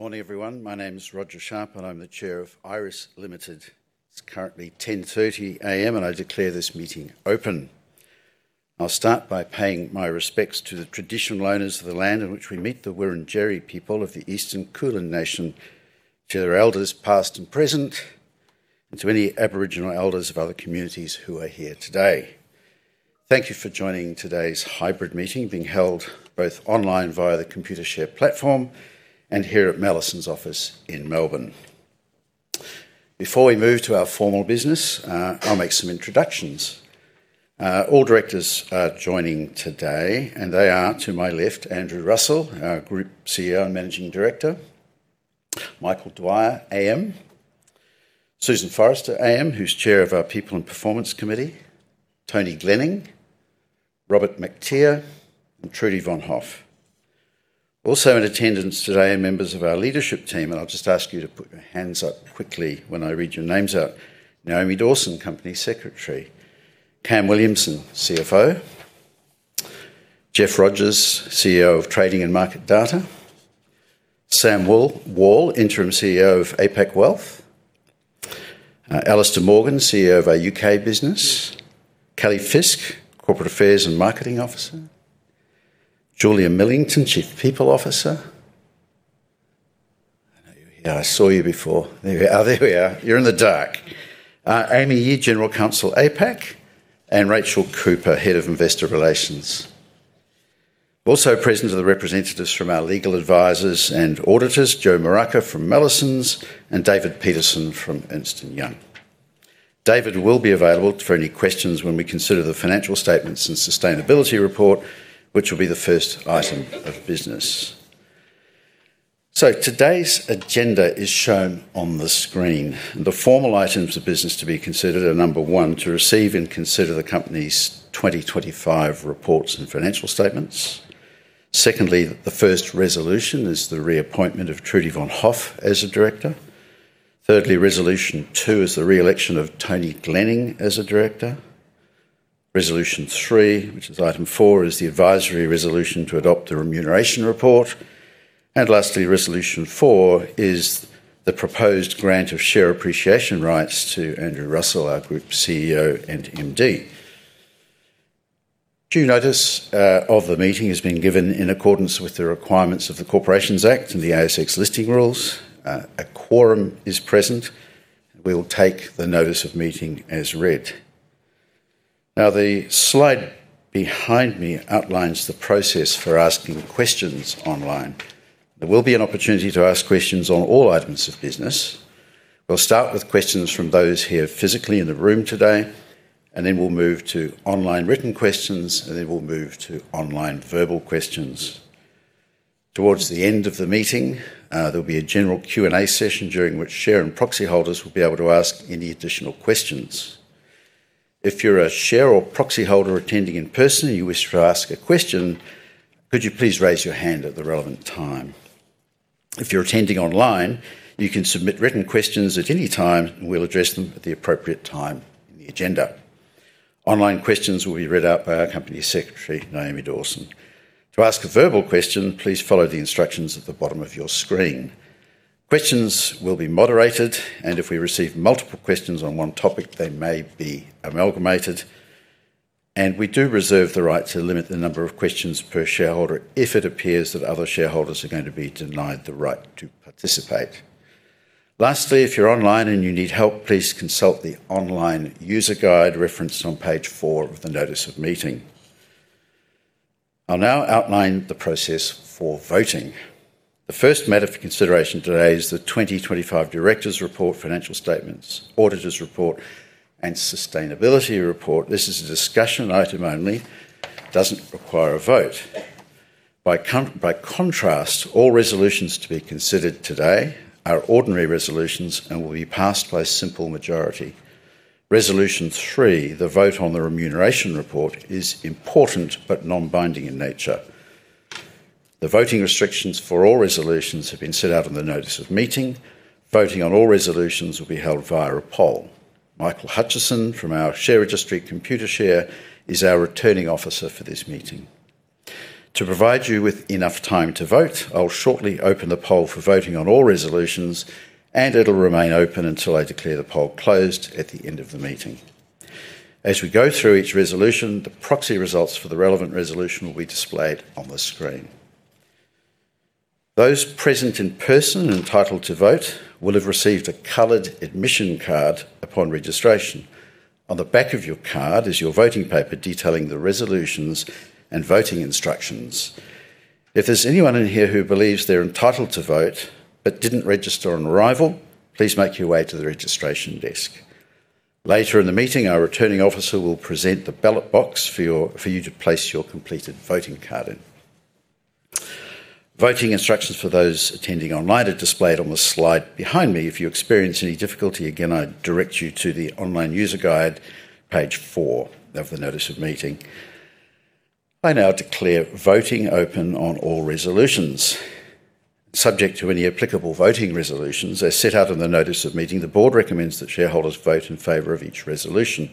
Morning everyone. My name is Roger Sharp, and I'm the Chair of Iress Limited. It's currently 10:30 A.M., and I declare this meeting open. I'll start by paying my respects to the traditional owners of the land in which we meet, the Wurundjeri people of the Eastern Kulin nation, to their elders, past and present, and to any Aboriginal elders of other communities who are here today. Thank you for joining today's hybrid meeting, being held both online via the Computershare platform and here at Mallesons office in Melbourne. Before we move to our formal business, I'll make some introductions. All directors are joining today, and they are, to my left, Andrew Russell, our Group CEO and Managing Director, Michael Dwyer AM, Susan Forrester AM, who's Chair of our People and Performance Committee, Tony Glenning, Robert Mactier, and Trudy Vonhoff. Also in attendance today are members of our leadership team, and I'll just ask you to put your hands up quickly when I read your names out. Naomi Dawson, Company Secretary. Cam Williamson, CFO. Jeff Rogers, CEO of Trading and Market Data. Sam Wall, interim CEO of APAC Wealth. Alistair Morgan, CEO of our UK Business. Kelly Fisk, Corporate Affairs and Marketing Officer. Julia Millington, Chief People Officer. I saw you before. Oh, there we are. You're in the dark. Amy Yee, General Counsel, APAC, and Rachel Cooper, Head of Investor Relations. Also present are the representatives from our legal advisors and auditors, Joe Moraca from Mallesons, and David Peterson from Ernst & Young. David will be available for any questions when we consider the financial statements and sustainability report, which will be the first item of business. Today's agenda is shown on the screen. The formal items of business to be considered are, number one, to receive and consider the company's 2025 reports and financial statements. Secondly, the first resolution is the reappointment of Trudy Vonhoff as a director. Thirdly, resolution two is the re-election of Tony Glenning as a director. Resolution three, which is item four, is the advisory resolution to adopt the remuneration report. Lastly, resolution four is the proposed grant of share appreciation rights to Andrew Russell, our Group CEO and MD. Due notice of the meeting has been given in accordance with the requirements of the Corporations Act and the ASX listing rules. A quorum is present. We will take the notice of meeting as read. Now, the slide behind me outlines the process for asking questions online. There will be an opportunity to ask questions on all items of business. We'll start with questions from those here physically in the room today, and then we'll move to online written questions, and then we'll move to online verbal questions. Towards the end of the meeting, there'll be a general Q&A session during which share and proxy holders will be able to ask any additional questions. If you're a share or proxy holder attending in person and you wish to ask a question, could you please raise your hand at the relevant time? If you're attending online, you can submit written questions at any time, and we'll address them at the appropriate time in the agenda. Online questions will be read out by our company secretary, Naomi Dawson. To ask a verbal question, please follow the instructions at the bottom of your screen. Questions will be moderated, and if we receive multiple questions on one topic, they may be amalgamated, and we do reserve the right to limit the number of questions per shareholder if it appears that other shareholders are going to be denied the right to participate. Lastly, if you're online and you need help, please consult the online user guide referenced on page four of the notice of meeting. I'll now outline the process for voting. The first matter for consideration today is the 2025 directors' report, financial statements, auditors' report, and sustainability report. This is a discussion item only. It doesn't require a vote. By contrast, all resolutions to be considered today are ordinary resolutions and will be passed by a simple majority. Resolution three, the vote on the remuneration report, is important but non-binding in nature. The voting restrictions for all resolutions have been set out in the notice of meeting. Voting on all resolutions will be held via a poll. Michael Hutchison from our share registry, Computershare, is our Returning Officer for this meeting. To provide you with enough time to vote, I'll shortly open the poll for voting on all resolutions, and it'll remain open until I declare the poll closed at the end of the meeting. As we go through each resolution, the proxy results for the relevant resolution will be displayed on the screen. Those present in person entitled to vote will have received a colored admission card upon registration. On the back of your card is your voting paper detailing the resolutions and voting instructions. If there's anyone in here who believes they're entitled to vote but didn't register on arrival, please make your way to the registration desk. Later in the meeting, our Returning Officer will present the ballot box for you to place your completed voting card in. Voting instructions for those attending online are displayed on the slide behind me. If you experience any difficulty, again, I'd direct you to the online user guide, page four of the Notice of Meeting. I now declare voting open on all resolutions. Subject to any applicable voting resolutions as set out in the Notice of Meeting, the Board recommends that shareholders vote in favor of each resolution.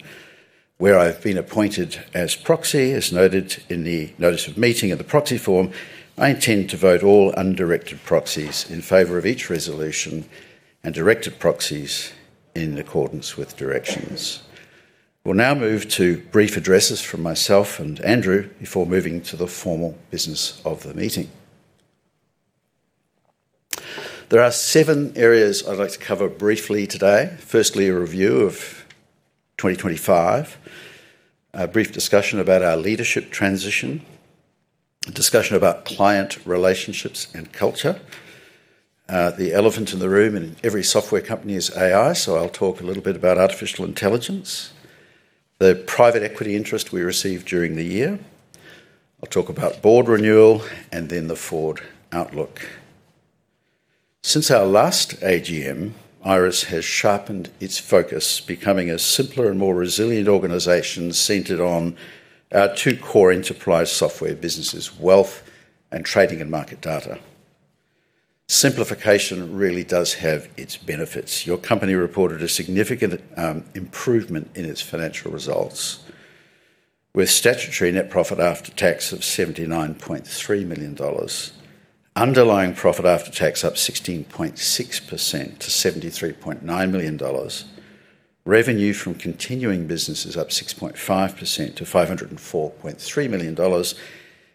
Where I've been appointed as proxy, as noted in the Notice of Meeting and the proxy form, I intend to vote all undirected proxies in favor of each resolution, and directed proxies in accordance with directions. We'll now move to brief addresses from myself and Andrew before moving to the formal business of the meeting. There are seven areas I'd like to cover briefly today. Firstly, a review of 2025, a brief discussion about our leadership transition, a discussion about client relationships and culture. The elephant in the room in every software company is AI, so I'll talk a little bit about artificial intelligence. The private equity interest we received during the year. I'll talk about board renewal, and then the forward outlook. Since our last AGM, Iress has sharpened its focus, becoming a simpler and more resilient organization centered on our two core enterprise software businesses, Wealth and Trading and Market Data. Simplification really does have its benefits. Your company reported a significant improvement in its financial results, with statutory net profit after tax of AUD 79.3 million. Underlying profit after tax up 16.6% to AUD 73.9 million. Revenue from continuing business is up 6.5% to AUD 504.3 million,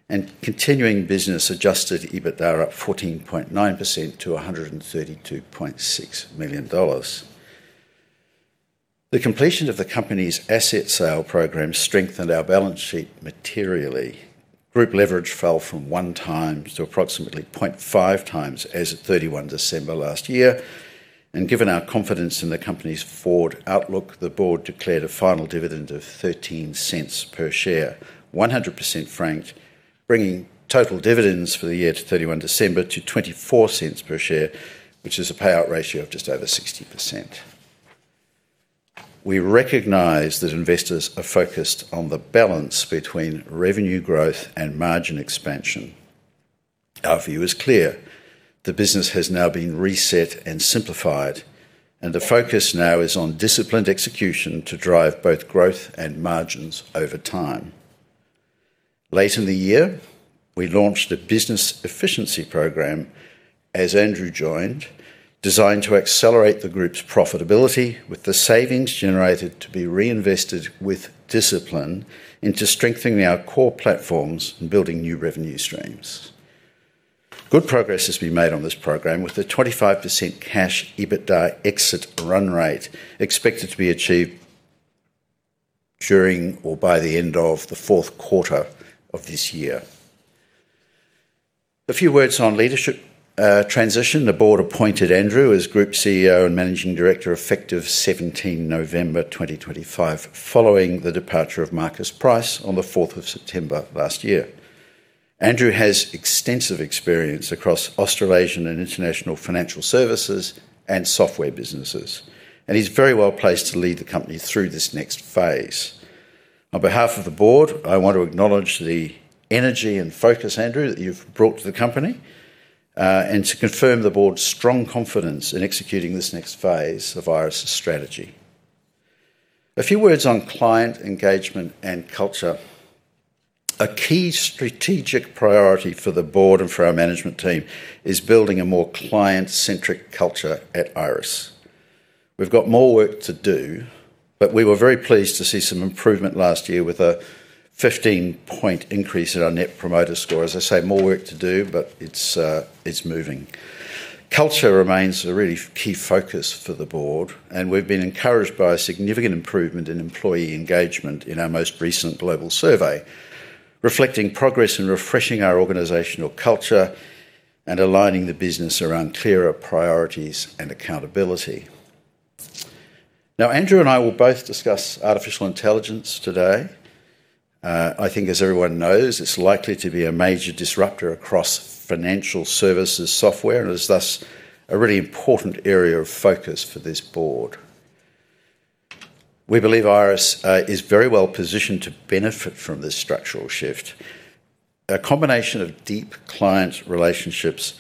and continuing business adjusted EBITDA up 14.9% to AUD 132.6 million. The completion of the company's asset sale program strengthened our balance sheet materially. Group leverage fell from 1x to approximately 0.5x as at 31 December last year. Given our confidence in the company's forward outlook, the board declared a final dividend of 0.13 per share, 100% franked, bringing total dividends for the year to 31 December to 0.24 per share, which is a payout ratio of just over 60%. We recognize that investors are focused on the balance between revenue growth and margin expansion. Our view is clear. The business has now been reset and simplified, and the focus now is on disciplined execution to drive both growth and margins over time. Late in the year, we launched a business efficiency program as Andrew joined, designed to accelerate the group's profitability with the savings generated to be reinvested with discipline into strengthening our core platforms and building new revenue streams. Good progress has been made on this program, with a 25% cash EBITDA exit run rate expected to be achieved during or by the end of the fourth quarter of this year. A few words on leadership transition. The board appointed Andrew as Group CEO and Managing Director effective 17 November 2025, following the departure of Marcus Price on the 4th of September last year. Andrew has extensive experience across Australasian and international financial services and software businesses, and he's very well-placed to lead the company through this next phase. On behalf of the board, I want to acknowledge the energy and focus, Andrew, that you've brought to the company, and to confirm the board's strong confidence in executing this next phase of Iress' strategy. A few words on client engagement and culture. A key strategic priority for the board and for our management team is building a more client-centric culture at Iress. We've got more work to do, but we were very pleased to see some improvement last year with a 15-point increase in our net promoter score. As I say, more work to do, but it's moving. Culture remains a really key focus for the board, and we've been encouraged by a significant improvement in employee engagement in our most recent global survey, reflecting progress in refreshing our organizational culture and aligning the business around clearer priorities and accountability. Now, Andrew and I will both discuss artificial intelligence today. I think as everyone knows, it's likely to be a major disruptor across financial services software and is thus a really important area of focus for this board. We believe Iress is very well-positioned to benefit from this structural shift. A combination of deep client relationships,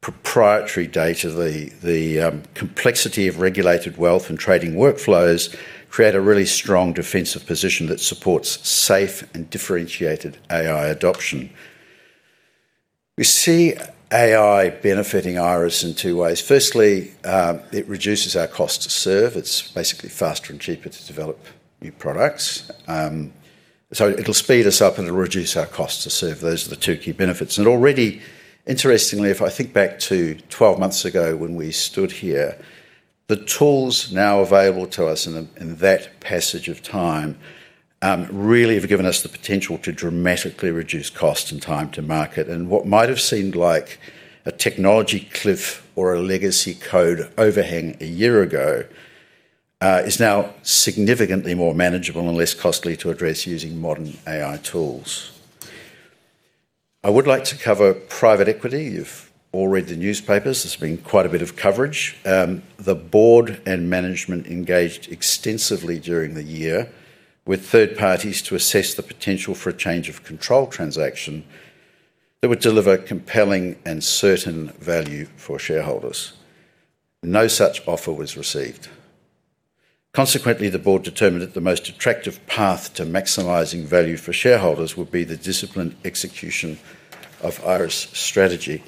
proprietary data, the complexity of regulated wealth and trading workflows create a really strong defensive position that supports safe and differentiated AI adoption. We see AI benefiting Iress in two ways. Firstly, it reduces our cost to serve. It's basically faster and cheaper to develop new products. So it'll speed us up and it'll reduce our cost to serve. Those are the two key benefits. Already, interestingly, if I think back to 12 months ago when we stood here, the tools now available to us in that passage of time really have given us the potential to dramatically reduce cost and time to market. What might have seemed like a technology cliff or a legacy code overhang a year ago is now significantly more manageable and less costly to address using modern AI tools. I would like to cover private equity. You've all read the newspapers. There's been quite a bit of coverage. The board and management engaged extensively during the year with third parties to assess the potential for a change of control transaction that would deliver compelling and certain value for shareholders. No such offer was received. Consequently, the board determined that the most attractive path to maximizing value for shareholders would be the disciplined execution of Iress' strategy.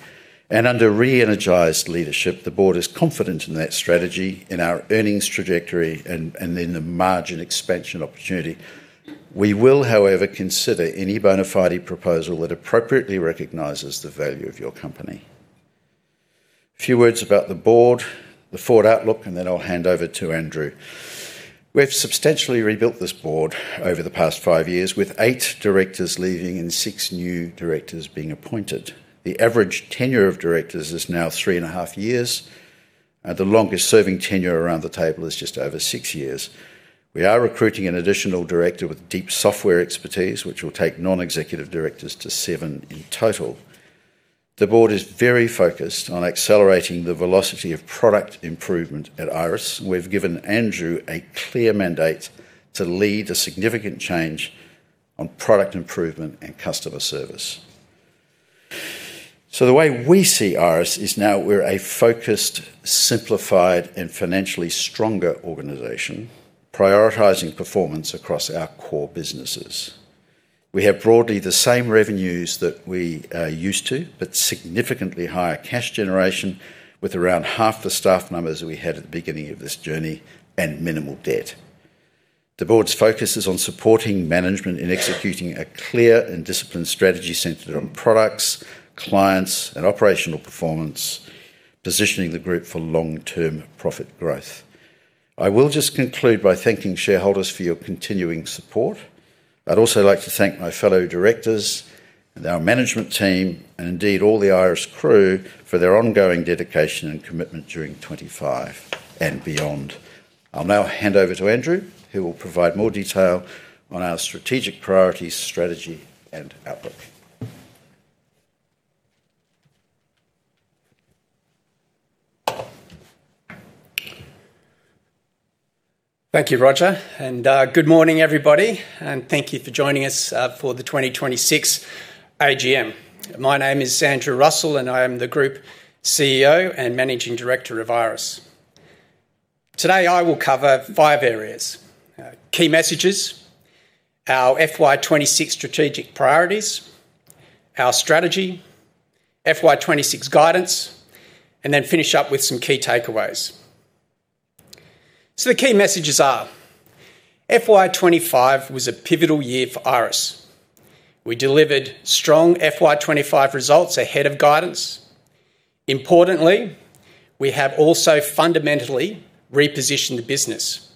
Under re-energized leadership, the board is confident in that strategy, in our earnings trajectory, and in the margin expansion opportunity. We will, however, consider any bona fide proposal that appropriately recognizes the value of our company. A few words about the board, the forward outlook, and then I'll hand over to Andrew. We have substantially rebuilt this board over the past five years, with eight directors leaving and six new directors being appointed. The average tenure of directors is now three and a half years. The longest serving tenure around the table is just over six years. We are recruiting an additional director with deep software expertise, which will take non-executive directors to seven in total. The board is very focused on accelerating the velocity of product improvement at Iress. We've given Andrew a clear mandate to lead a significant change on product improvement and customer service. The way we see Iress is now we're a focused, simplified, and financially stronger organization, prioritizing performance across our core businesses. We have broadly the same revenues that we are used to, but significantly higher cash generation, with around half the staff numbers that we had at the beginning of this journey and minimal debt. The board's focus is on supporting management in executing a clear and disciplined strategy centered on products, clients, and operational performance, positioning the group for long-term profit growth. I will just conclude by thanking shareholders for your continuing support. I'd also like to thank my fellow directors and our management team, and indeed all the Iress crew, for their ongoing dedication and commitment during 2025 and beyond. I'll now hand over to Andrew, who will provide more detail on our strategic priorities, strategy, and outlook. Thank you, Roger, and good morning, everybody, and thank you for joining us for the 2026 AGM. My name is Andrew Russell, and I am the Group CEO and Managing Director of Iress. Today, I will cover five areas, key messages, our FY 2026 strategic priorities, our strategy, FY 2026 guidance, and then finish up with some key takeaways. The key messages are. FY 2025 was a pivotal year for Iress. We delivered strong FY 2025 results ahead of guidance. Importantly, we have also fundamentally repositioned the business.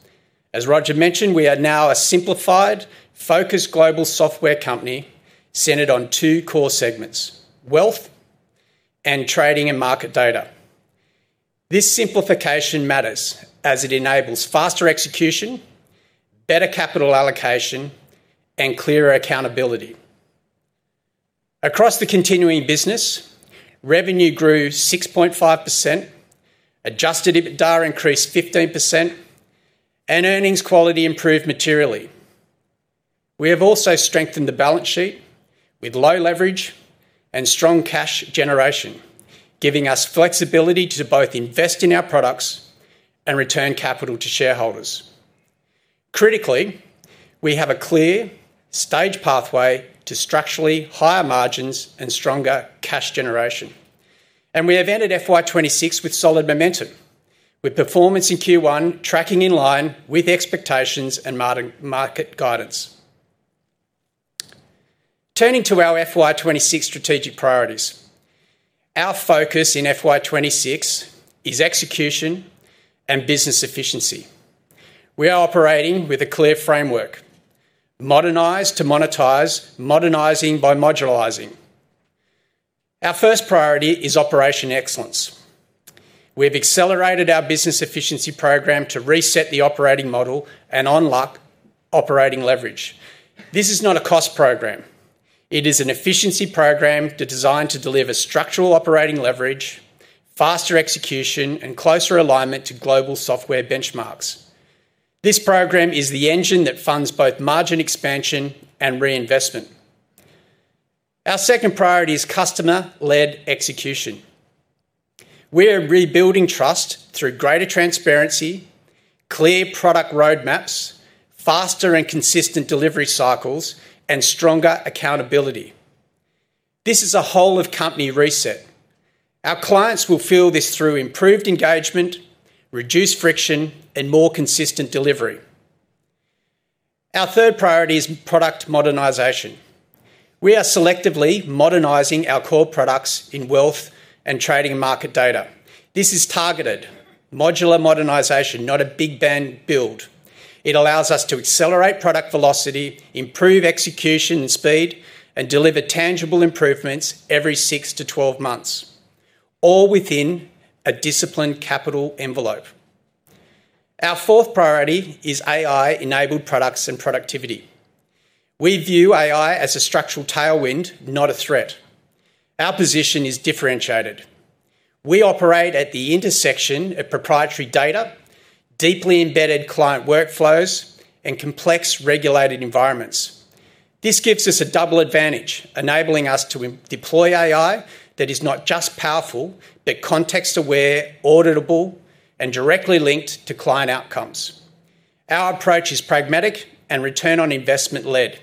As Roger mentioned, we are now a simplified, focused global software company centered on two core segments, Wealth and Trading and Market Data. This simplification matters as it enables faster execution, better capital allocation, and clearer accountability. Across the continuing business, revenue grew 6.5%, adjusted EBITDA increased 15%, and earnings quality improved materially. We have also strengthened the balance sheet with low leverage and strong cash generation, giving us flexibility to both invest in our products and return capital to shareholders. Critically, we have a clear, staged pathway to structurally higher margins and stronger cash generation. We have ended FY 2026 with solid momentum, with performance in Q1 tracking in line with expectations and market guidance. Turning to our FY 2026 strategic priorities. Our focus in FY 2026 is execution and business efficiency. We are operating with a clear framework, modernize to monetize, modernizing by modularizing. Our first priority is operational excellence. We've accelerated our business efficiency program to reset the operating model and unlock operating leverage. This is not a cost program. It is an efficiency program designed to deliver structural operating leverage, faster execution, and closer alignment to global software benchmarks. This program is the engine that funds both margin expansion and reinvestment. Our second priority is customer-led execution. We are rebuilding trust through greater transparency, clear product roadmaps, faster and consistent delivery cycles, and stronger accountability. This is a whole of company reset. Our clients will feel this through improved engagement, reduced friction, and more consistent delivery. Our third priority is product modernization. We are selectively modernizing our core products in Wealth and Trading and Market Data. This is targeted modular modernization, not a big bang build. It allows us to accelerate product velocity, improve execution and speed, and deliver tangible improvements every 6-12 months, all within a disciplined capital envelope. Our fourth priority is AI-enabled products and productivity. We view AI as a structural tailwind, not a threat. Our position is differentiated. We operate at the intersection of proprietary data, deeply embedded client workflows, and complex regulated environments. This gives us a double advantage, enabling us to deploy AI that is not just powerful, but context-aware, auditable, and directly linked to client outcomes. Our approach is pragmatic and return on investment led.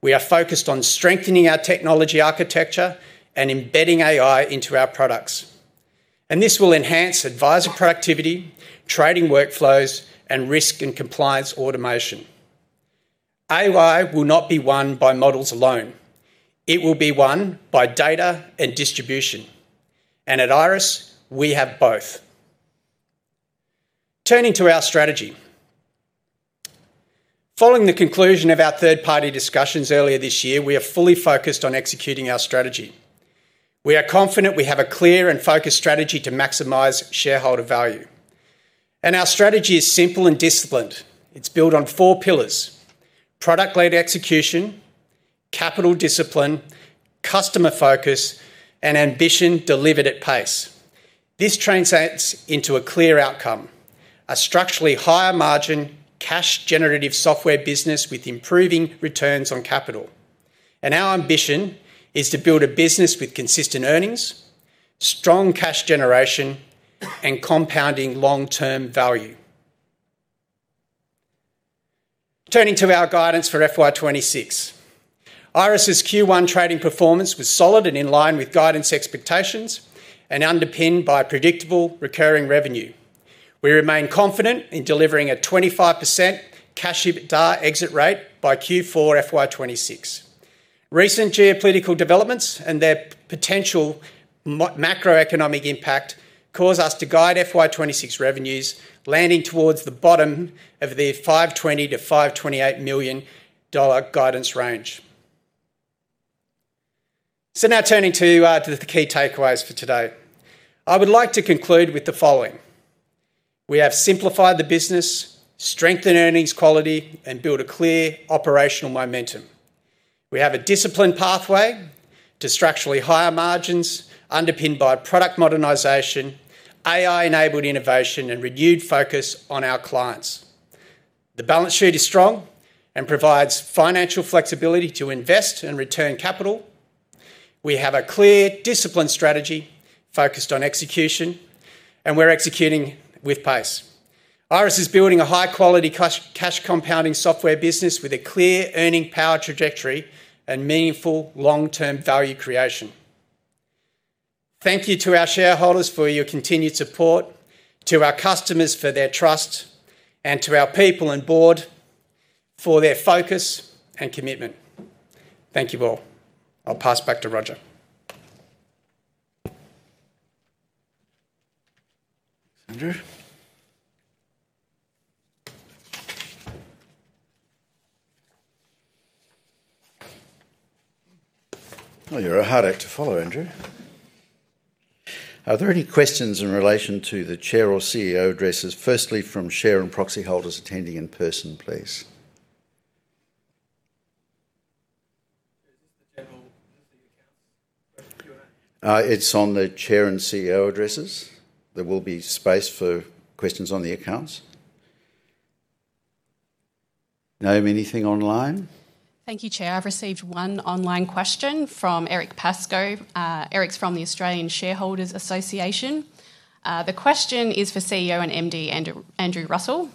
We are focused on strengthening our technology architecture and embedding AI into our products. This will enhance advisor productivity, trading workflows, and risk and compliance automation. AI will not be won by models alone. It will be won by data and distribution. At Iress, we have both. Turning to our strategy. Following the conclusion of our third-party discussions earlier this year, we are fully focused on executing our strategy. We are confident we have a clear and focused strategy to maximize shareholder value. Our strategy is simple and disciplined. It's built on four pillars: product-led execution, capital discipline, customer focus, and ambition delivered at pace. This translates into a clear outcome. A structurally higher margin, cash generative software business with improving returns on capital. Our ambition is to build a business with consistent earnings, strong cash generation, and compounding long-term value. Turning to our guidance for FY 2026. Iress's Q1 trading performance was solid and in line with guidance expectations and underpinned by predictable recurring revenue. We remain confident in delivering a 25% cash EBITDA exit rate by Q4 FY 2026. Recent geopolitical developments and their potential macroeconomic impact cause us to guide FY 2026 revenues landing towards the bottom of the 520 million-528 million dollar guidance range. Now turning to the key takeaways for today. I would like to conclude with the following. We have simplified the business, strengthened earnings quality, and built a clear operational momentum. We have a disciplined pathway to structurally higher margins underpinned by product modernization, AI-enabled innovation, and renewed focus on our clients. The balance sheet is strong and provides financial flexibility to invest and return capital. We have a clear disciplined strategy focused on execution, and we're executing with pace. Iress is building a high-quality cash compounding software business with a clear earning power trajectory and meaningful long-term value creation. Thank you to our shareholders for your continued support, to our customers for their trust, and to our people and board for their focus and commitment. Thank you all. I'll pass back to Roger. Thanks, Andrew. Well, you're a hard act to follow, Andrew. Are there any questions in relation to the Chair or CEO addresses, firstly from shareholders and proxy holders attending in person, please? It's on the Chair and CEO addresses. There will be space for questions on the accounts. Naomi, anything online? Thank you, Chair. I've received one online question from Eric Pascoe. Eric's from the Australian Shareholders' Association. The question is for CEO and MD Andrew Russell.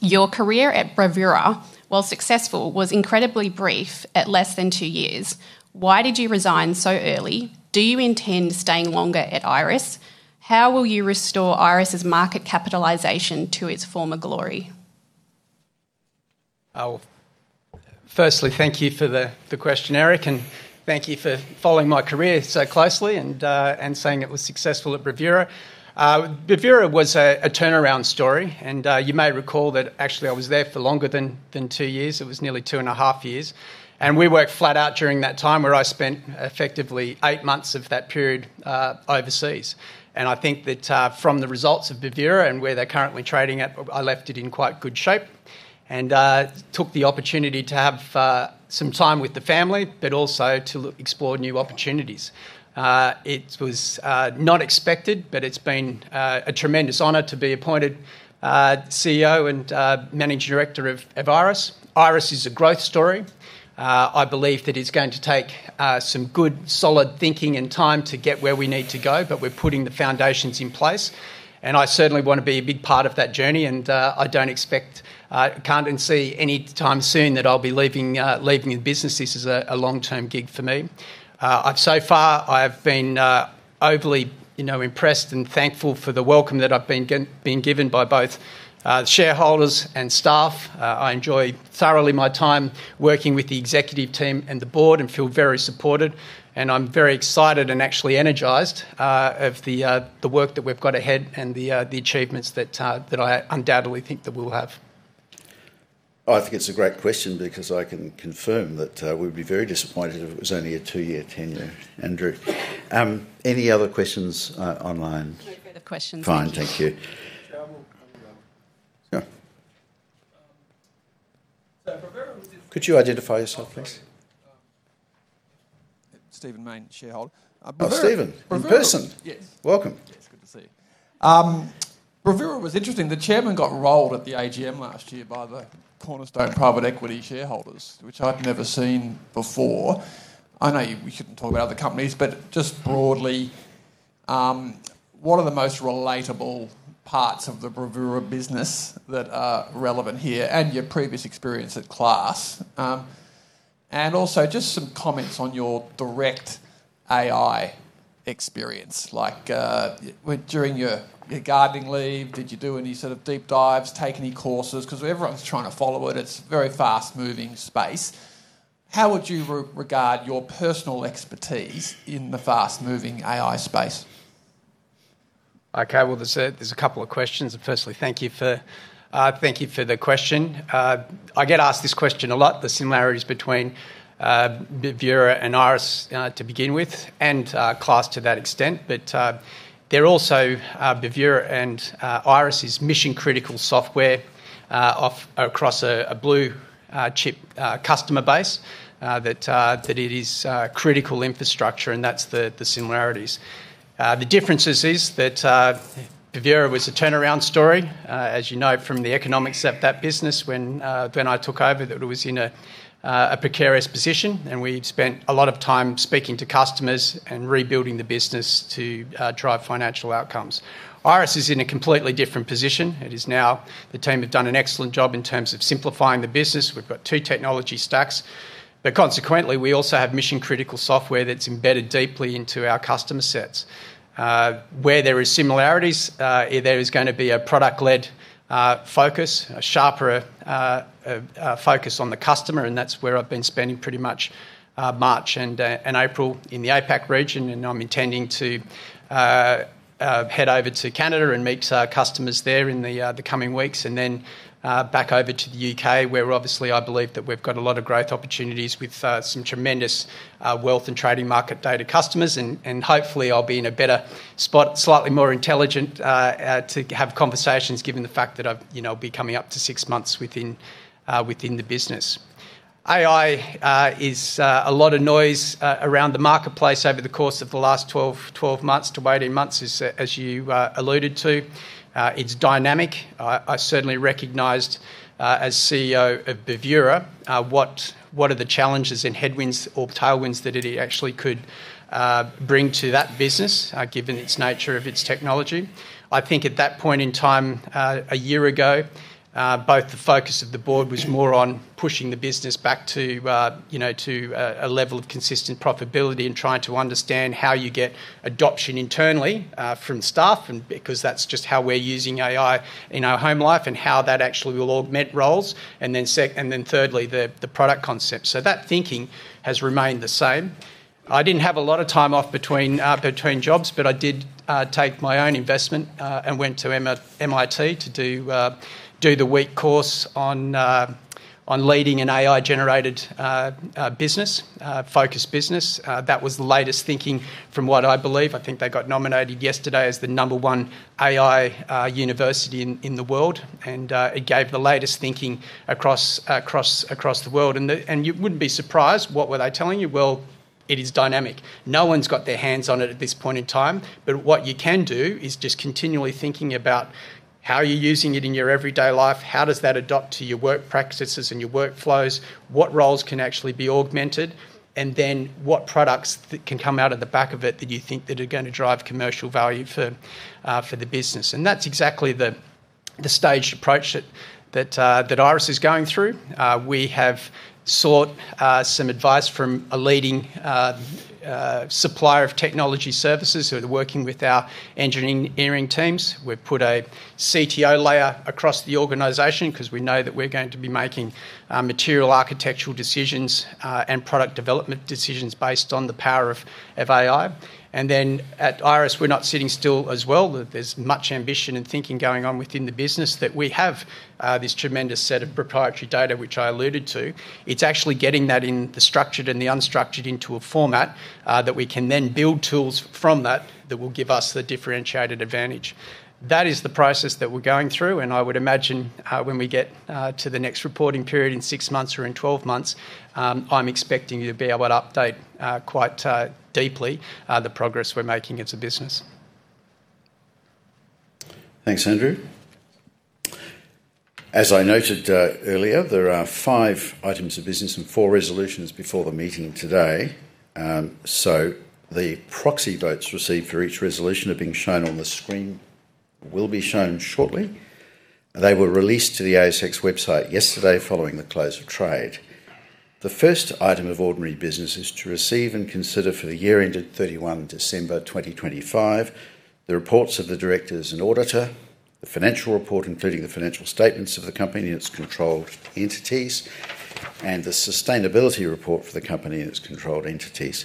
"Your career at Bravura, while successful, was incredibly brief at less than two years. Why did you resign so early? Do you intend staying longer at Iress? How will you restore Iress's market capitalization to its former glory? I will. Firstly, thank you for the question, Eric, and thank you for following my career so closely and saying it was successful at Bravura. Bravura was a turnaround story. You may recall that actually I was there for longer than two years. It was nearly two and a half years. We worked flat out during that time, where I spent effectively eight months of that period overseas. I think that from the results of Bravura and where they're currently trading at, I left it in quite good shape and took the opportunity to have some time with the family, but also to look, explore new opportunities. It was not expected, but it's been a tremendous honor to be appointed CEO and Managing Director of Iress. Iress is a growth story. I believe that it's going to take some good solid thinking and time to get where we need to go, but we're putting the foundations in place, and I certainly want to be a big part of that journey, and I don't expect, can't foresee any time soon that I'll be leaving the business. This is a long-term gig for me. I've so far been overly, you know, impressed and thankful for the welcome that I've been given by both shareholders and staff. I enjoy thoroughly my time working with the executive team and the board and feel very supported, and I'm very excited and actually energized of the work that we've got ahead and the achievements that I undoubtedly think that we'll have. I think it's a great question because I can confirm that, we'd be very disappointed if it was only a two-year tenure. Yeah Andrew. Any other questions online? No further questions. Thank you. Fine, thank you. Yeah. Could you identify yourself please? Stephen Mayne, shareholder. Oh, Stephen. In person. Welcome. Yes, good to see you. Bravura was interesting. The chairman got rolled at the AGM last year by the Cornerstone private equity shareholders, which I'd never seen before. I know we shouldn't talk about other companies, but just broadly, what are the most relatable parts of the Bravura business that are relevant here and your previous experience at Class? And also, just some comments on your direct AI experience, like, during your gardening leave, did you do any sort of deep dives, take any courses? Because everyone's trying to follow it. It's a very fast-moving space. How would you regard your personal expertise in the fast-moving AI space? Okay. Well, there's a couple of questions, and firstly, thank you for the question. I get asked this question a lot, the similarities between Bravura and Iress to begin with, and Class to that extent. They're also, Bravura and Iress is mission-critical software across a blue-chip customer base, that it is critical infrastructure, and that's the similarities. The differences is that Bravura was a turnaround story. As you know from the economics of that business when I took over, that it was in a precarious position, and we'd spent a lot of time speaking to customers and rebuilding the business to drive financial outcomes. Iress is in a completely different position. It is now, the team have done an excellent job in terms of simplifying the business. We've got two technology stacks. Consequently, we also have mission-critical software that's embedded deeply into our customer sets. Where there is similarities, there is going to be a product-led focus, a sharper focus on the customer, and that's where I've been spending pretty much March and April in the APAC region, and I'm intending to head over to Canada and meet our customers there in the coming weeks. Then back over to the U.K., where obviously I believe that we've got a lot of growth opportunities with some tremendous wealth and trading market data customers. Hopefully, I'll be in a better spot, slightly more intelligent, to have conversations given the fact that I'll be coming up to six months within the business. AI is a lot of noise around the marketplace over the course of the last 12 months to 18 months, as you alluded to. It's dynamic. I certainly recognized, as CEO of Bravura, what are the challenges and headwinds or tailwinds that it actually could bring to that business, given its nature of its technology. I think at that point in time, a year ago, both the focus of the board was more on pushing the business back to a level of consistent profitability and trying to understand how you get adoption internally from staff, and because that's just how we're using AI in our home life, and how that actually will augment roles. Then thirdly, the product concept. That thinking has remained the same. I didn't have a lot of time off between jobs, but I did take my own investment, and went to MIT to do the week course on leading an AI-focused business. That was the latest thinking from what I believe. I think they got nominated yesterday as the number one AI university in the world, and it gave the latest thinking across the world. You wouldn't be surprised what were they telling you? Well, it is dynamic. No one's got their hands on it at this point in time. What you can do is just continually thinking about how are you using it in your everyday life, how does that adapt to your work practices and your workflows, what roles can actually be augmented, and then what products can come out of the back of it that you think that are going to drive commercial value for the business. That's exactly the staged approach that Iress is going through. We have sought some advice from a leading supplier of technology services who are working with our engineering teams. We've put a CTO layer across the organization because we know that we're going to be making material architectural decisions, and product development decisions based on the power of AI. At Iress, we're not sitting still as well. There's much ambition and thinking going on within the business that we have this tremendous set of proprietary data which I alluded to. It's actually getting that in the structured and the unstructured into a format that we can then build tools from that that will give us the differentiated advantage. That is the process that we're going through, and I would imagine when we get to the next reporting period in six months or in 12 months, I'm expecting to be able to update quite deeply, the progress we're making as a business. Thanks, Andrew. As I noted earlier, there are five items of business and four resolutions before the meeting today. The proxy votes received for each resolution are being shown on the screen, and will be shown shortly. They were released to the ASX website yesterday following the close of trade. The first item of ordinary business is to receive and consider for the year ended 31 December 2025, the reports of the directors and auditor, the financial report, including the financial statements of the company and its controlled entities, and the sustainability report for the company and its controlled entities.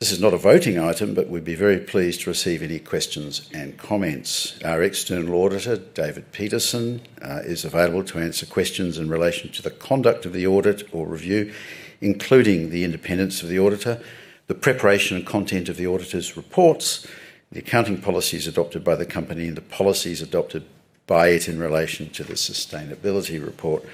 This is not a voting item, but we'd be very pleased to receive any questions and comments. Our external auditor, David Peterson, is available to answer questions in relation to the conduct of the audit or review, including the independence of the auditor, the preparation and content of the auditor's reports, the accounting policies adopted by the company, and the policies adopted by it in relation to the sustainability report.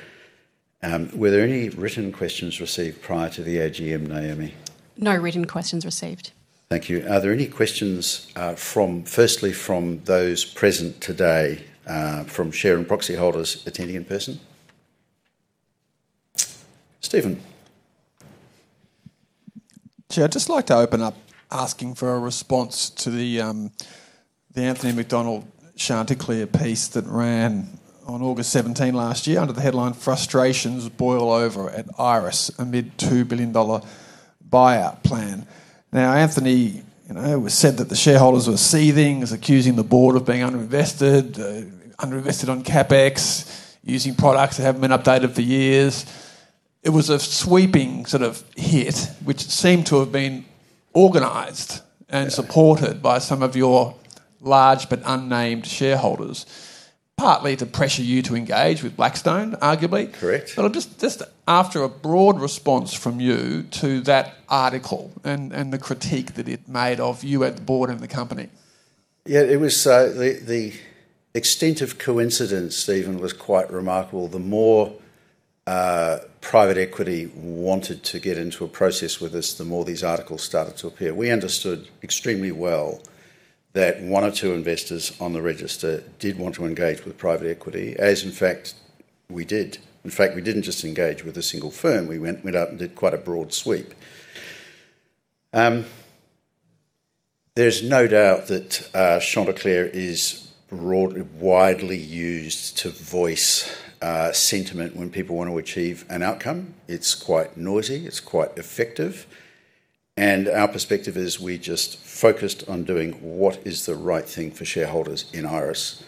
Were there any written questions received prior to the AGM, Naomi? No written questions received. Thank you. Are there any questions, firstly from those present today, from share and proxy holders attending in person? Stephen. Chair, I'd just like to open up asking for a response to the Anthony Macdonald Chanticleer piece that ran on August 17 last year under the headline, "Frustrations Boil Over at Iress Amid 2 billion dollar Buyout Plan." Now, Anthony, it was said that the shareholders were seething, accusing the board of being under-invested on CapEx, using products that haven't been updated for years. It was a sweeping sort of hit, which seemed to have been organized and supported by some of your large but unnamed shareholders, partly to pressure you to engage with Blackstone, arguably. Correct. I'm just after a broad response from you to that article and the critique that it made of you at the board and the company. Yeah. The extent of coincidence, Stephen, was quite remarkable. The more private equity wanted to get into a process with us, the more these articles started to appear. We understood extremely well that one or two investors on the register did want to engage with private equity, as in fact we did. In fact, we didn't just engage with a single firm. We went out and did quite a broad sweep. There's no doubt that Chanticleer is widely used to voice sentiment when people want to achieve an outcome. It's quite noisy, it's quite effective, and our perspective is we just focused on doing what is the right thing for shareholders in Iress.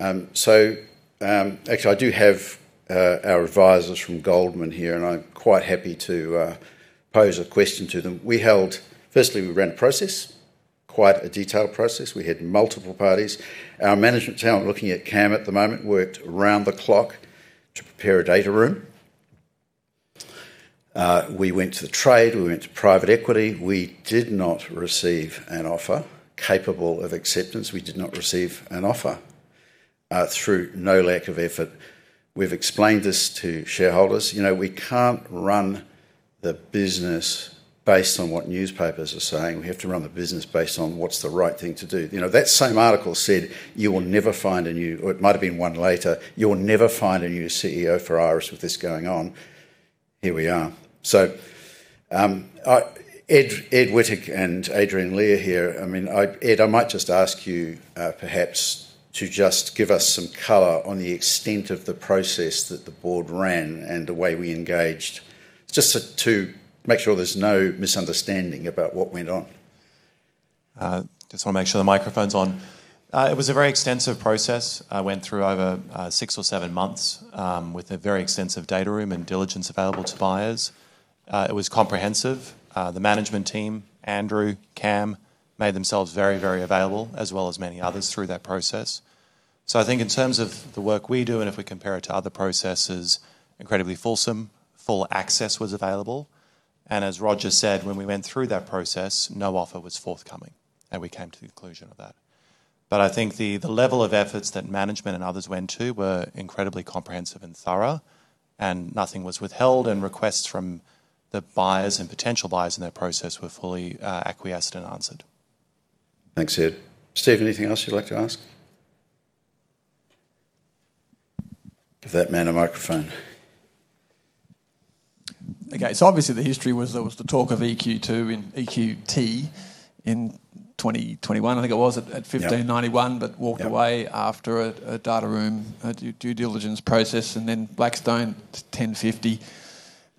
Actually, I do have our advisors from Goldman here, and I'm quite happy to pose a question to them. Firstly, we ran a process, quite a detailed process. We had multiple parties. Our management talent, looking at Cam at the moment, worked around the clock to prepare a data room. We went to the trade, we went to private equity. We did not receive an offer capable of acceptance. We did not receive an offer, through no lack of effort. We've explained this to shareholders. We can't run the business based on what newspapers are saying. We have to run the business based on what's the right thing to do. That same article said, "You will never find a new..." Or it might have been one later. "You will never find a new CEO for Iress with this going on." Here we are. Ed Wittig and Adrian Lear here, Ed, I might just ask you perhaps to just give us some color on the extent of the process that the board ran and the way we engaged, just to make sure there's no misunderstanding about what went on. Just want to make sure the microphone's on. It was a very extensive process. Went through over six or seven months, with a very extensive data room and diligence available to buyers. It was comprehensive. The management team, Andrew, Cam, made themselves very available, as well as many others through that process. I think in terms of the work we do, and if we compare it to other processes, incredibly fulsome, full access was available. As Roger said, when we went through that process, no offer was forthcoming, and we came to the conclusion of that. I think the level of efforts that management and others went to were incredibly comprehensive and thorough, and nothing was withheld, and requests from the buyers and potential buyers in that process were fully acquiesced and answered. Thanks, Ed. Stephen, anything else you'd like to ask? Give that man a microphone. Okay. Obviously the history was the talk of EQT in 2021, I think it was. Yep... 15.91, but walked away after a data room, a due diligence process, and then Blackstone, 10.50.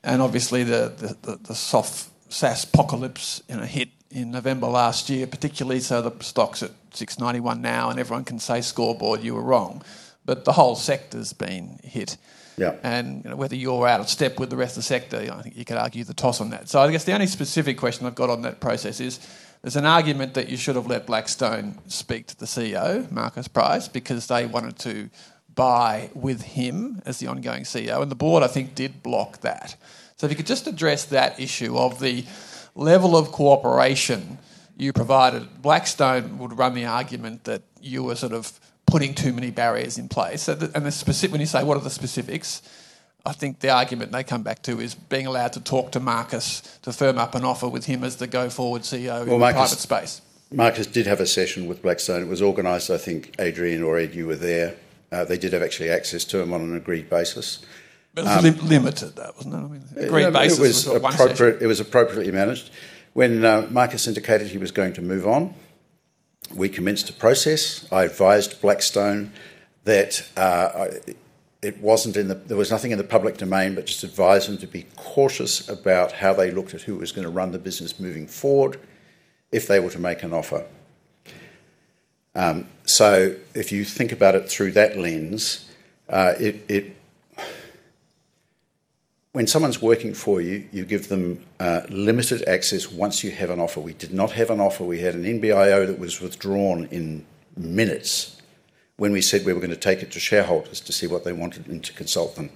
Obviously the soft SaaSpocalypse hit in November last year, particularly, so the stock's at 6.91 now, and everyone can say, "Scoreboard, you were wrong." The whole sector's been hit. Yep. Whether you're out of step with the rest of the sector, I think you could argue the toss on that. I guess the only specific question I've got on that process is, there's an argument that you should have let Blackstone speak to the CEO, Marcus Price, because they wanted to buy with him as the ongoing CEO, and the board, I think, did block that. If you could just address that issue of the level of cooperation you provided. Blackstone would run the argument that you were sort of putting too many barriers in place. When you say, "What are the specifics?" I think the argument they come back to is being allowed to talk to Marcus to firm up an offer with him as the go-forward CEO in the private space. Well, Marcus did have a session with Blackstone. It was organized, I think, Adrian or Ed, you were there. They did have actually access to him on an agreed basis. it was limited though, wasn't it? Agreed basis was one session. It was appropriately managed. When Marcus indicated he was going to move on, we commenced a process. I advised Blackstone that there was nothing in the public domain, but just advised them to be cautious about how they looked at who was going to run the business moving forward if they were to make an offer. If you think about it through that lens, when someone's working for you give them limited access once you have an offer. We did not have an offer. We had an NBIO that was withdrawn in minutes when we said we were going to take it to shareholders to see what they wanted and to consult them.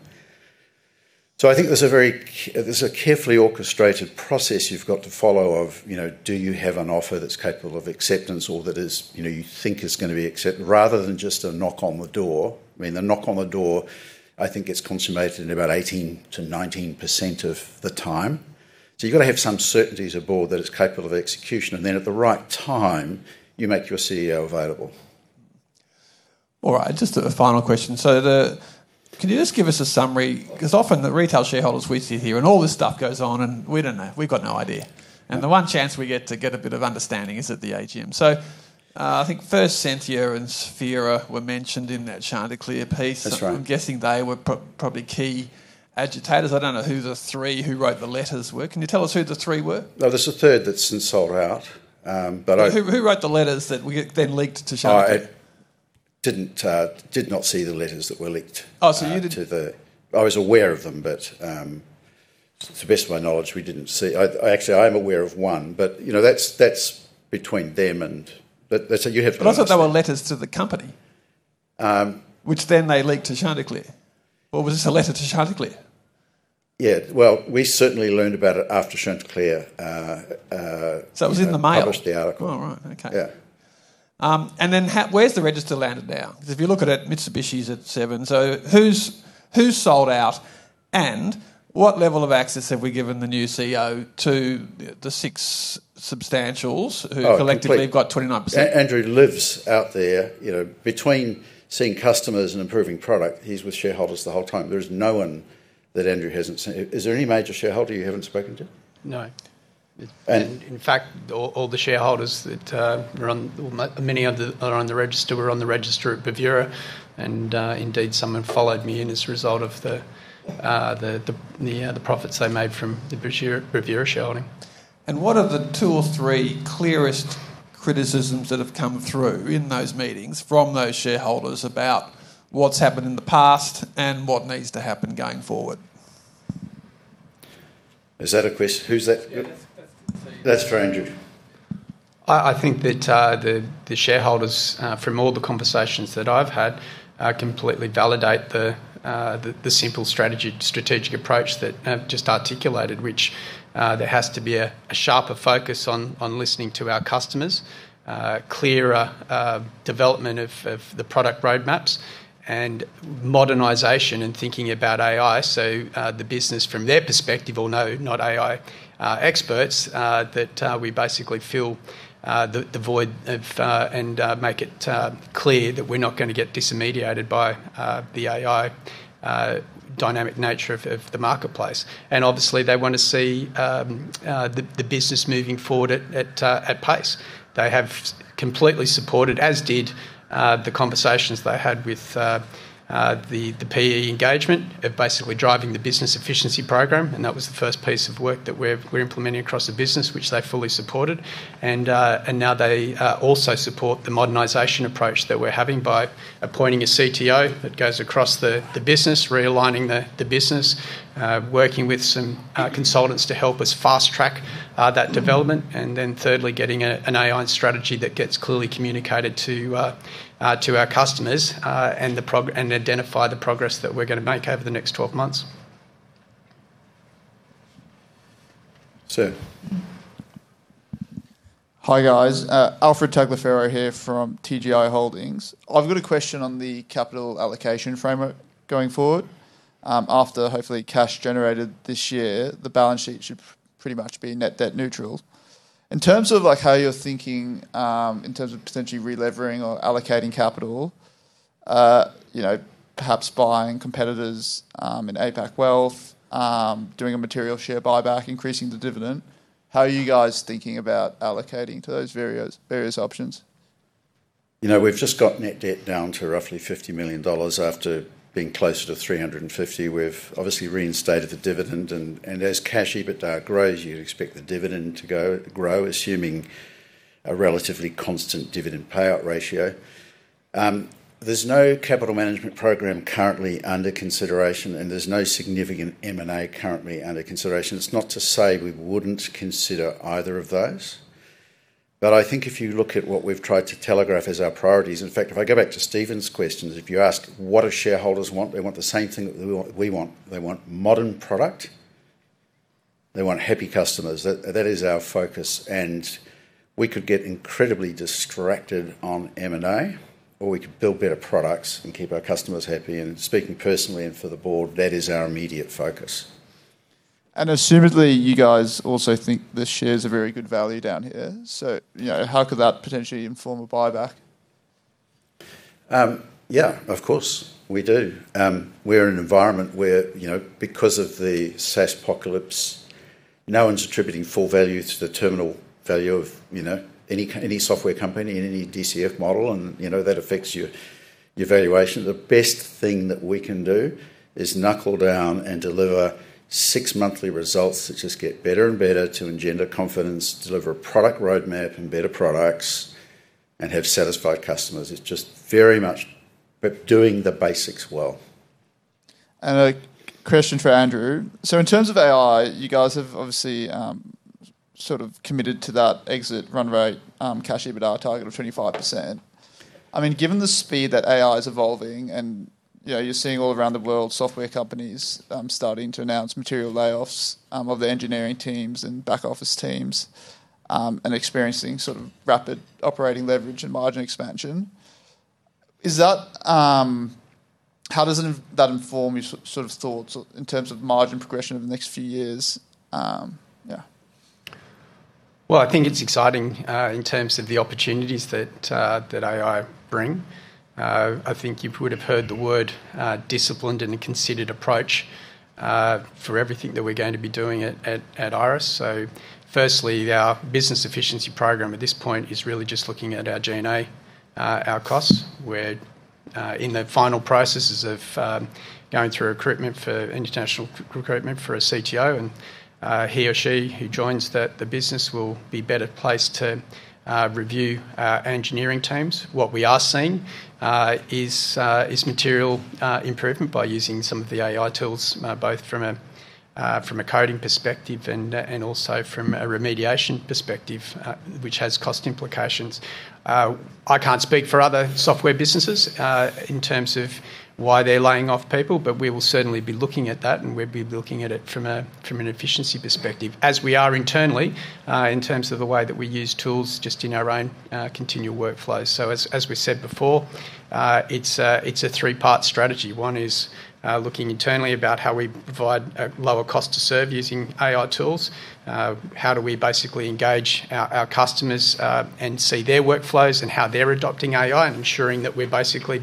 I think there's a carefully orchestrated process you've got to follow of do you have an offer that's capable of acceptance or that you think is going to be accepted rather than just a knock on the door? The knock on the door, I think it's consummated in about 18%-19% of the time. You've got to have some certainties about that it's capable of execution, and then at the right time, you make your CEO available. All right, just a final question. Can you just give us a summary? Because often the retail shareholders, we sit here and all this stuff goes on, and we don't know. We've got no idea. And the one chance we get to get a bit of understanding is at the AGM. I think first Cynthia and Spheria were mentioned in that Chanticleer piece. That's right. I'm guessing they were probably key agitators. I don't know who the three who wrote the letters were. Can you tell us who the three were? No, there's a third that's since sold out. Who wrote the letters that we then leaked to Chanticleer? I did not see the letters that were leaked. Oh, you didn't. I was aware of them, but to the best of my knowledge, we didn't see. Actually, I am aware of one, but that's between them and. You have- Because I thought they were letters to the company. Which then they leaked to Chanticleer. Was this a letter to Chanticleer? Yeah. Well, we certainly learned about it after Chanticleer. It was in the mail. Published the article. All right. Okay. Yeah. Where's the register landed now? Because if you look at it, Mitsubishi's at seven. Who's sold out, and what level of access have we given the new CEO to the six substantials- Oh, complete.... who collectively have got 29%? Andrew lives out there. Between seeing customers and improving product, he's with shareholders the whole time. There is no one that Andrew hasn't seen. Is there any major shareholder you haven't spoken to? No. And- In fact, all the shareholders that are on, well, many are on the register, were on the register at Bravura. Indeed, some have followed me in as a result of the profits they made from the Bravura shareholding. What are the two or three clearest criticisms that have come through in those meetings from those shareholders about what's happened in the past and what needs to happen going forward? Who's that? That's for Andrew. I think that the shareholders, from all the conversations that I've had, completely validate the simple strategic approach that I've just articulated, which there has to be a sharper focus on listening to our customers, clearer development of the product roadmaps, and modernization and thinking about AI. The business from their perspective, although not AI experts, that we basically fill the void of and make it clear that we're not going to get disintermediated by the AI dynamic nature of the marketplace. Obviously, they want to see the business moving forward at pace. They have completely supported, as did the conversations they had with the PE engagement, basically driving the business efficiency program, and that was the first piece of work that we're implementing across the business, which they fully supported. Now they also support the modernization approach that we're having by appointing a CTO that goes across the business, realigning the business, working with some consultants to help us fast track that development. Thirdly, getting an AI strategy that gets clearly communicated to our customers, and identify the progress that we're going to make over the next 12 months. Sir. Hi, guys. Alfred Tagliaferro here from TGI Holdings. I've got a question on the capital allocation framework going forward. After, hopefully, cash generated this year, the balance sheet should pretty much be net debt neutral. In terms of how you're thinking in terms of potentially relevering or allocating capital, perhaps buying competitors in APAC Wealth, doing a material share buyback, increasing the dividend, how are you guys thinking about allocating to those various options? We've just got net debt down to roughly 50 million dollars after being closer to 350 million. We've obviously reinstated the dividend. As cash EBITDA grows, you'd expect the dividend to grow, assuming a relatively constant dividend payout ratio. There's no capital management program currently under consideration, and there's no significant M&A currently under consideration. It's not to say we wouldn't consider either of those. I think if you look at what we've tried to telegraph as our priorities, in fact, if I go back to Stephen's questions, if you ask what do shareholders want, they want the same thing that we want. They want modern product. They want happy customers. That is our focus, and we could get incredibly distracted on M&A, or we could build better products and keep our customers happy. Speaking personally and for the board, that is our immediate focus. Assumedly, you guys also think the share is a very good value down here. How could that potentially inform a buyback? Yeah, of course, we do. We're in an environment where because of the SaaSpocalypse, no one's attributing full value to the terminal value of any software company in any DCF model, and that affects your valuation. The best thing that we can do is knuckle down and deliver six monthly results that just get better and better to engender confidence, deliver a product roadmap and better products, and have satisfied customers. It's just very much about doing the basics well. A question for Andrew. In terms of AI, you guys have obviously sort of committed to that exit runway, cash EBITDA target of 25%. Given the speed that AI is evolving, and you're seeing all around the world software companies starting to announce material layoffs of their engineering teams and back office teams, and experiencing sort of rapid operating leverage and margin expansion. How does that inform your thoughts in terms of margin progression over the next few years? Yeah. Well, I think it's exciting in terms of the opportunities that AI bring. I think you would have heard the word disciplined and a considered approach for everything that we're going to be doing at Iress. Firstly, our business efficiency program at this point is really just looking at our G&A, our costs. We're in the final processes of going through international recruitment for a CTO, and he or she who joins the business will be better placed to review our engineering teams. What we are seeing is material improvement by using some of the AI tools, both from a coding perspective and also from a remediation perspective, which has cost implications. I can't speak for other software businesses in terms of why they're laying off people, but we will certainly be looking at that, and we'll be looking at it from an efficiency perspective, as we are internally, in terms of the way that we use tools just in our own continual workflows. As we said before, it's a three-part strategy. One is looking internally about how we provide a lower cost to serve using AI tools. How do we basically engage our customers and see their workflows and how they're adopting AI and ensuring that we're basically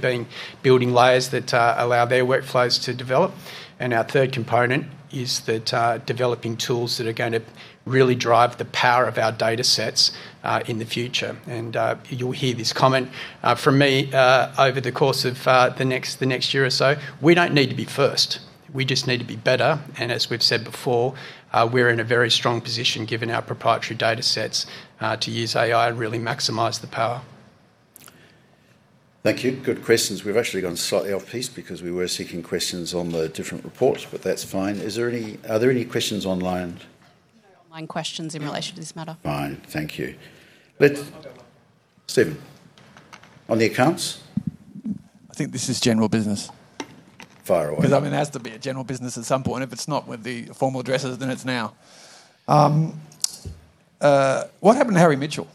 building layers that allow their workflows to develop. Our third component is developing tools that are going to really drive the power of our datasets in the future. You'll hear this comment from me over the course of the next year or so. We don't need to be first. We just need to be better, and as we've said before, we're in a very strong position given our proprietary datasets, to use AI to really maximize the power. Thank you. Good questions. We've actually gone slightly off piste because we were seeking questions on the different reports, but that's fine. Are there any questions online? No online questions in relation to this matter. Fine. Thank you. Stephen. On the accounts? I think this is general business. Fire away. I mean, it has to be a general business at some point. If it's not with the formal addresses, then it's now. What happened to Harry Mitchell?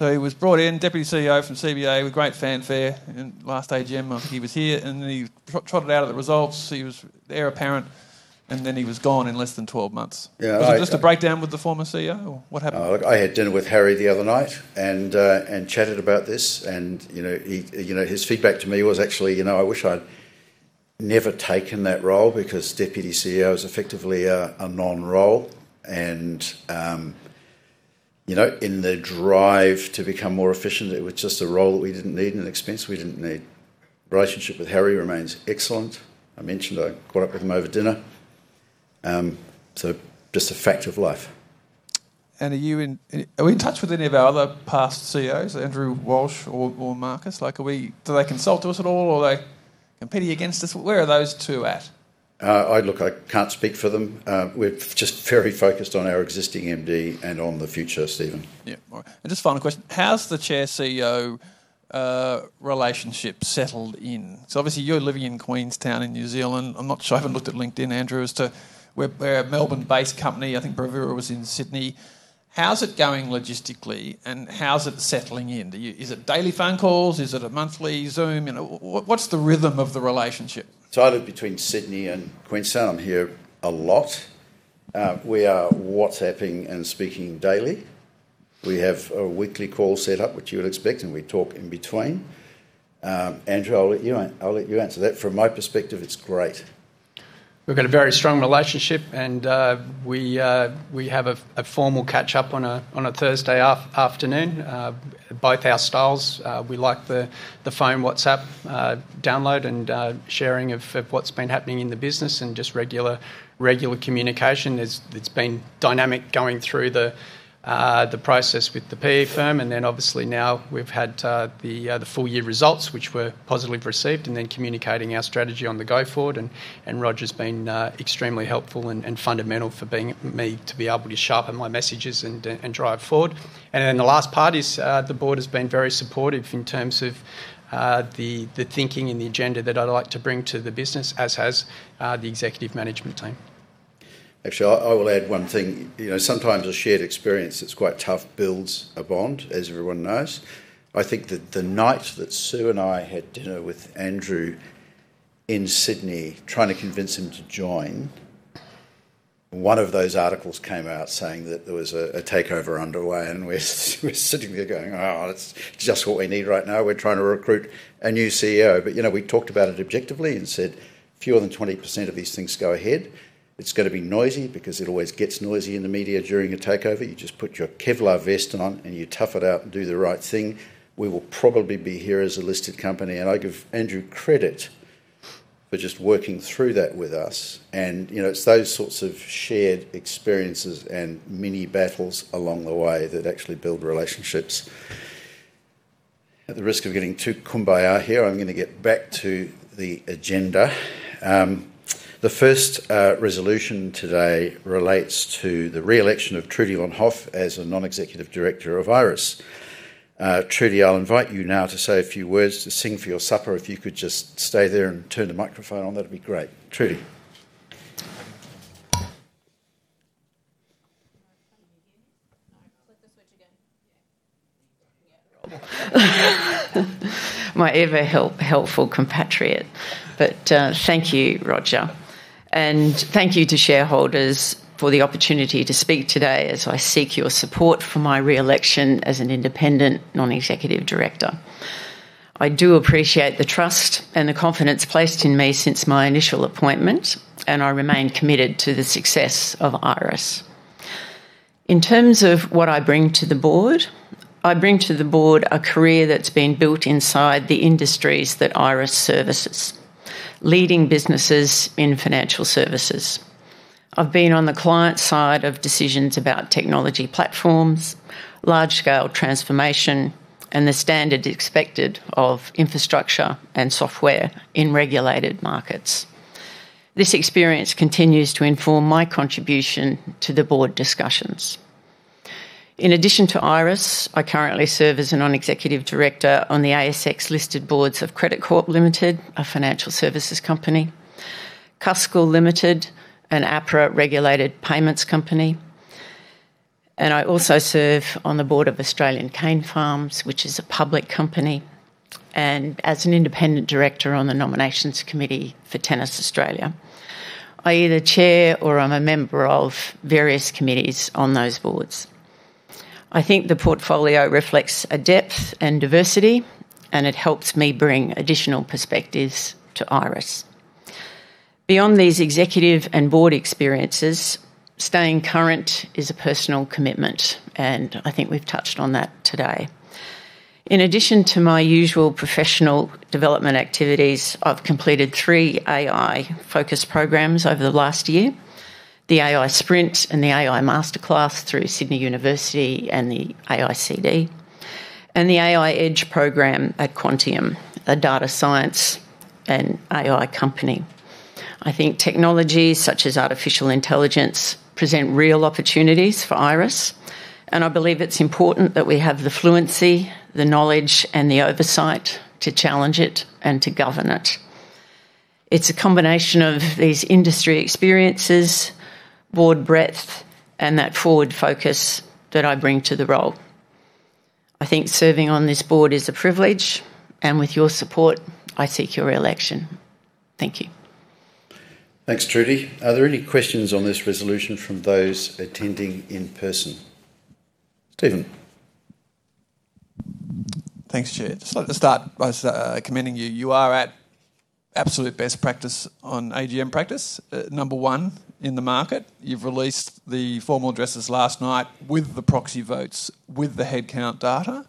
He was brought in, Deputy CEO from CBA, with great fanfare, in last AGM. I think he was here, and then he trotted out the results. He was there, apparently, and then he was gone in less than 12 months. Yeah. Was it just a breakdown with the former CEO, or what happened? Look, I had dinner with Harry the other night and chatted about this. His feedback to me was actually, "I wish I'd never taken that role because Deputy CEO is effectively a non-role." In the drive to become more efficient, it was just a role that we didn't need and an expense we didn't need. Relationship with Harry remains excellent. I mentioned I caught up with him over dinner. Just a fact of life. Are we in touch with any of our other past CEOs, Andrew Walsh or Marcus? Do they consult us at all, or are they competing against us? Where are those two at? Look, I can't speak for them. We're just very focused on our existing MD and on the future, Stephen. Yeah. All right. Just final question, how's the Chair, CEO relationship settled in? Obviously you're living in Queenstown in New Zealand. I'm not sure. I haven't looked at LinkedIn, Andrew, as to where we're a Melbourne-based company. I think Bravura was in Sydney. How's it going logistically, and how's it settling in? Is it daily phone calls? Is it a monthly Zoom? What's the rhythm of the relationship? Other than between Sydney and Queenstown, I'm here a lot. We are WhatsApping and speaking daily. We have a weekly call set up, which you would expect, and we talk in between. Andrew, I'll let you answer that. From my perspective, it's great. We've got a very strong relationship, and we have a formal catch-up on a Thursday afternoon. Both our styles, we like the phone, WhatsApp download, and sharing of what's been happening in the business and just regular communication. It's been dynamic going through the process with the PE firm and then obviously now we've had the full-year results, which were positively received, and then communicating our strategy on the go forward, and Rod has been extremely helpful and fundamental for me to be able to sharpen my messages and drive forward. The last part is the board has been very supportive in terms of the thinking and the agenda that I'd like to bring to the business, as has the executive management team. Actually, I will add one thing. Sometimes a shared experience that's quite tough builds a bond, as everyone knows. I think that the night that Sue and I had dinner with Andrew in Sydney, trying to convince him to join, one of those articles came out saying that there was a takeover underway, and we're sitting there going, "Oh, that's just what we need right now. We're trying to recruit a new CEO." But we talked about it objectively and said, "Fewer than 20% of these things go ahead. It's going to be noisy because it always gets noisy in the media during a takeover. You just put your Kevlar vest on, and you tough it out and do the right thing. We will probably be here as a listed company." I give Andrew credit for just working through that with us. It's those sorts of shared experiences and mini battles along the way that actually build relationships. At the risk of getting too kumbaya here, I'm going to get back to the agenda. The first resolution today relates to the re-election of Trudy Vonhoff as a Non-Executive Director of Iress. Trudy, I'll invite you now to say a few words to sing for your supper. If you could just stay there and turn the microphone on, that'd be great. Trudy My ever-helpful compatriot. Thank you, Roger, and thank you to shareholders for the opportunity to speak today as I seek your support for my re-election as an independent non-executive director. I do appreciate the trust and the confidence placed in me since my initial appointment, and I remain committed to the success of Iress. In terms of what I bring to the board, I bring to the board a career that's been built inside the industries that Iress services, leading businesses in financial services. I've been on the client side of decisions about technology platforms, large-scale transformation, and the standard expected of infrastructure and software in regulated markets. This experience continues to inform my contribution to the board discussions. In addition to Iress, I currently serve as a non-executive director on the ASX-listed boards of Credit Corp Limited, a financial services company, Cuscal Limited, an APRA-regulated payments company. I also serve on the board of Australian Cane Farms, which is a public company, and as an independent director on the nominations committee for Tennis Australia. I either chair or I'm a member of various committees on those boards. I think the portfolio reflects a depth and diversity, and it helps me bring additional perspectives to Iress. Beyond these executive and board experiences, staying current is a personal commitment, and I think we've touched on that today. In addition to my usual professional development activities, I've completed three AI-focused programs over the last year: the AI Sprint and the AI Masterclass through University of Sydney and the AICD, and the AI Edge program at Quantium, a data science and AI company. I think technologies such as artificial intelligence present real opportunities for Iress, and I believe it's important that we have the fluency, the knowledge, and the oversight to challenge it and to govern it. It's a combination of these industry experiences, board breadth, and that forward focus that I bring to the role. I think serving on this board is a privilege, and with your support, I seek your election. Thank you. Thanks, Trudy. Are there any questions on this resolution from those attending in person? Stephen. Thanks, Chair. I'd just like to start by commending you. You are at absolute best practice on AGM practice. Number one in the market. You've released the formal addresses last night with the proxy votes, with the headcount data.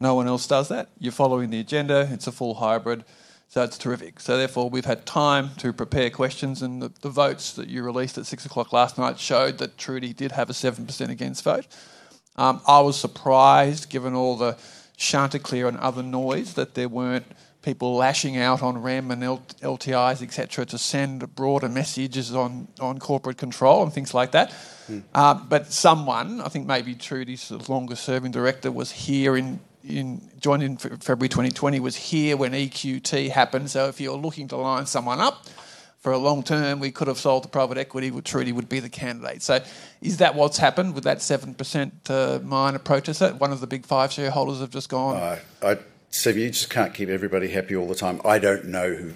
No one else does that. You're following the agenda. It's a full hybrid, so that's terrific. Therefore, we've had time to prepare questions, and the votes that you released at 6:00 P.M. last night showed that Trudy did have a 7% against vote. I was surprised, given all the Chanticleer and other noise, that there weren't people lashing out on REM and LTIs, et cetera, to send broader messages on corporate control and things like that. Someone, I think maybe Trudy, sort of longest-serving director, joined in February 2020, was here when EQT happened. If you're looking to line someone up for a long term, we could have sold to private equity, where Trudy would be the candidate. Is that what's happened with that 7% minor protest? One of the Big Five shareholders have just gone? No. Steve, you just can't keep everybody happy all the time. I don't know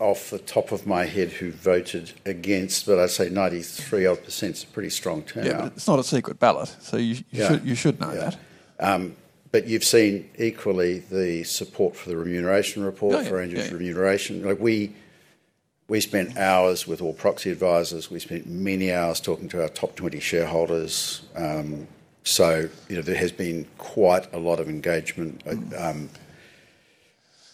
off the top of my head who voted against, but I say 93-odd% is a pretty strong turnout. Yeah. It's not a secret ballot, so you should know that. Yeah. You've seen equally the support for the remuneration report. Oh, yeah. For executive remuneration. We spent hours with all proxy advisors. We spent many hours talking to our top 20 shareholders. There has been quite a lot of engagement.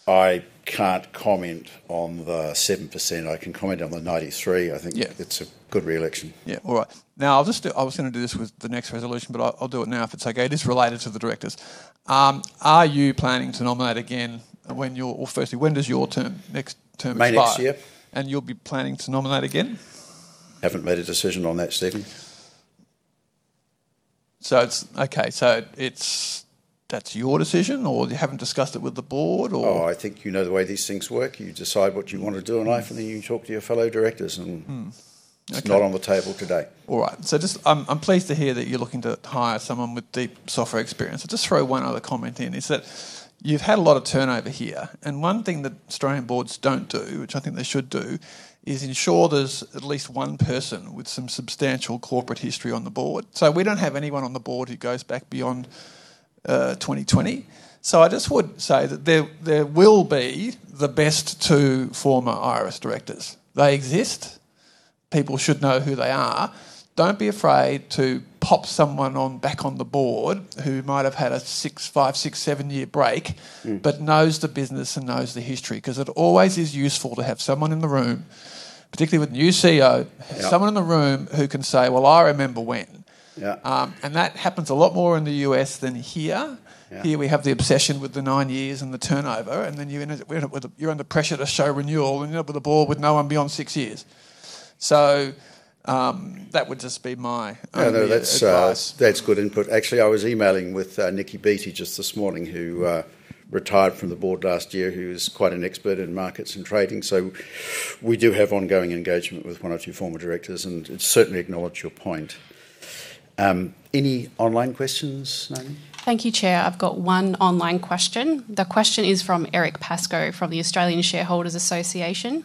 I can't comment on the 7%. I can comment on the 93%. Yeah. I think it's a good re-election. Yeah. All right. Now, I was going to do this with the next resolution, but I'll do it now if it's okay. It is related to the directors. Are you planning to nominate again? Or firstly, when does your next term expire? Next year. You'll be planning to nominate again? Haven't made a decision on that, Stephen. Okay. That's your decision, or you haven't discussed it with the board, or? Oh, I think you know the way these things work. You decide what you want to do, and I think then you talk to your fellow directors.... it's not on the table today. All right. Just, I'm pleased to hear that you're looking to hire someone with deep software experience. I'll just throw one other comment in, is that you've had a lot of turnover here. One thing that Australian boards don't do, which I think they should do, is ensure there's at least one person with some substantial corporate history on the board. We don't have anyone on the board who goes back beyond 2020. I just would say that there will be the best two former Iress directors. They exist. People should know who they are. Don't be afraid to pop someone back on the board who might have had a six, five, six, seven-year break. knows the business and knows the history because it always is useful to have someone in the room, particularly with a new CEO. Yeah someone in the room who can say, "Well, I remember when. Yeah. That happens a lot more in the U.S. than here. Yeah. Here we have the obsession with the nine years and the turnover, and then you're under pressure to show renewal, and you end up with a board with no one beyond six years. That would just be my only advice. No, that's good input. Actually, I was emailing with Niki Beattie just this morning, who retired from the board last year, who is quite an expert in markets and trading. We do have ongoing engagement with one or two former directors, and certainly acknowledge your point. Any online questions, Naomi? Thank you, Chair. I've got one online question. The question is from Eric Pascoe from the Australian Shareholders' Association.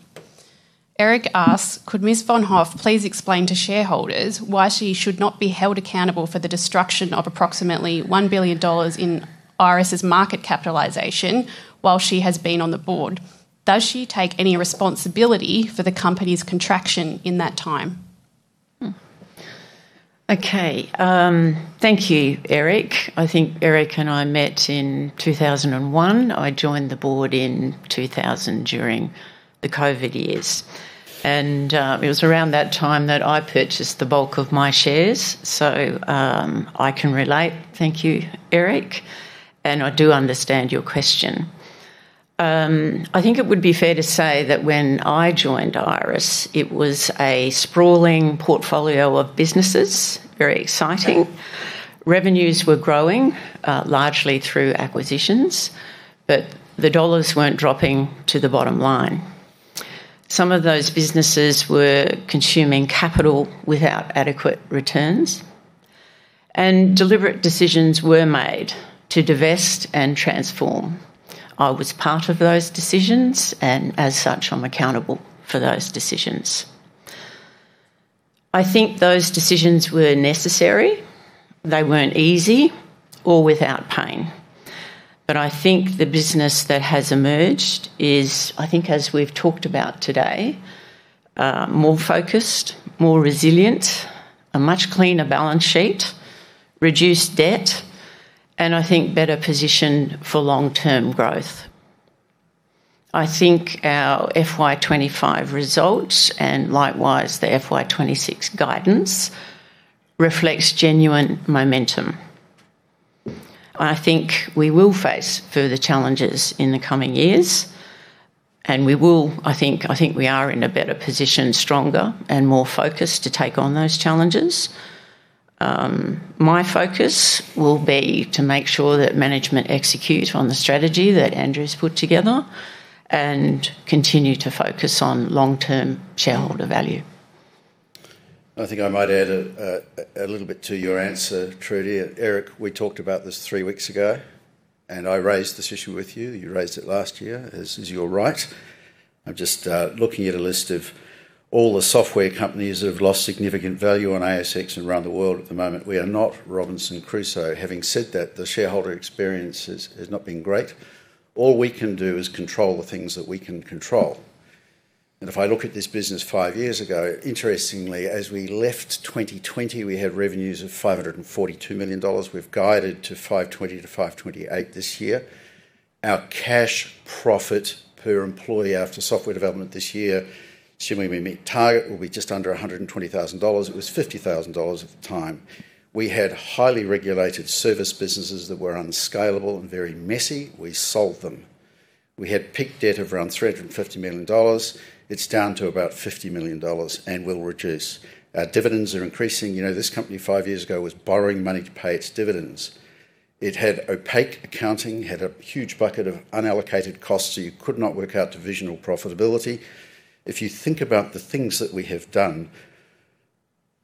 Eric asks, "Could Ms. Vonhoff please explain to shareholders why she should not be held accountable for the destruction of approximately 1 billion dollars in Iress' market capitalization while she has been on the board? Does she take any responsibility for the company's contraction in that time? Okay. Thank you, Eric. I think Eric and I met in 2001. I joined the board in 2000 during the COVID years. It was around that time that I purchased the bulk of my shares, so I can relate. Thank you, Eric, and I do understand your question. I think it would be fair to say that when I joined Iress, it was a sprawling portfolio of businesses. Very exciting. Revenues were growing, largely through acquisitions. The dollars weren't dropping to the bottom line. Some of those businesses were consuming capital without adequate returns. Deliberate decisions were made to divest and transform. I was part of those decisions, and as such, I'm accountable for those decisions. I think those decisions were necessary. They weren't easy or without pain. I think the business that has emerged is, I think as we've talked about today, more focused, more resilient, a much cleaner balance sheet, reduced debt, and I think better positioned for long-term growth. I think our FY 2025 results, and likewise, the FY 2026 guidance, reflects genuine momentum. I think we will face further challenges in the coming years. I think we are in a better position, stronger and more focused to take on those challenges. My focus will be to make sure that management execute on the strategy that Andrew's put together and continue to focus on long-term shareholder value. I think I might add a little bit to your answer, Trudy. Eric, we talked about this three weeks ago, and I raised this issue with you. You raised it last year, as is your right. I'm just looking at a list of all the software companies that have lost significant value on ASX and around the world at the moment. We are not Robinson Crusoe. Having said that, the shareholder experience has not been great. All we can do is control the things that we can control. If I look at this business five years ago, interestingly, as we left 2020, we had revenues of 542 million dollars. We've guided to 520 million-528 million this year. Our cash profit per employee after software development this year, assuming we meet target, will be just under 120,000 dollars. It was 50,000 dollars at the time. We had highly regulated service businesses that were unscalable and very messy. We sold them. We had peak debt of around 350 million dollars. It's down to about 50 million dollars and will reduce. Our dividends are increasing. This company five years ago was borrowing money to pay its dividends. It had opaque accounting, had a huge bucket of unallocated costs, so you could not work out divisional profitability. If you think about the things that we have done,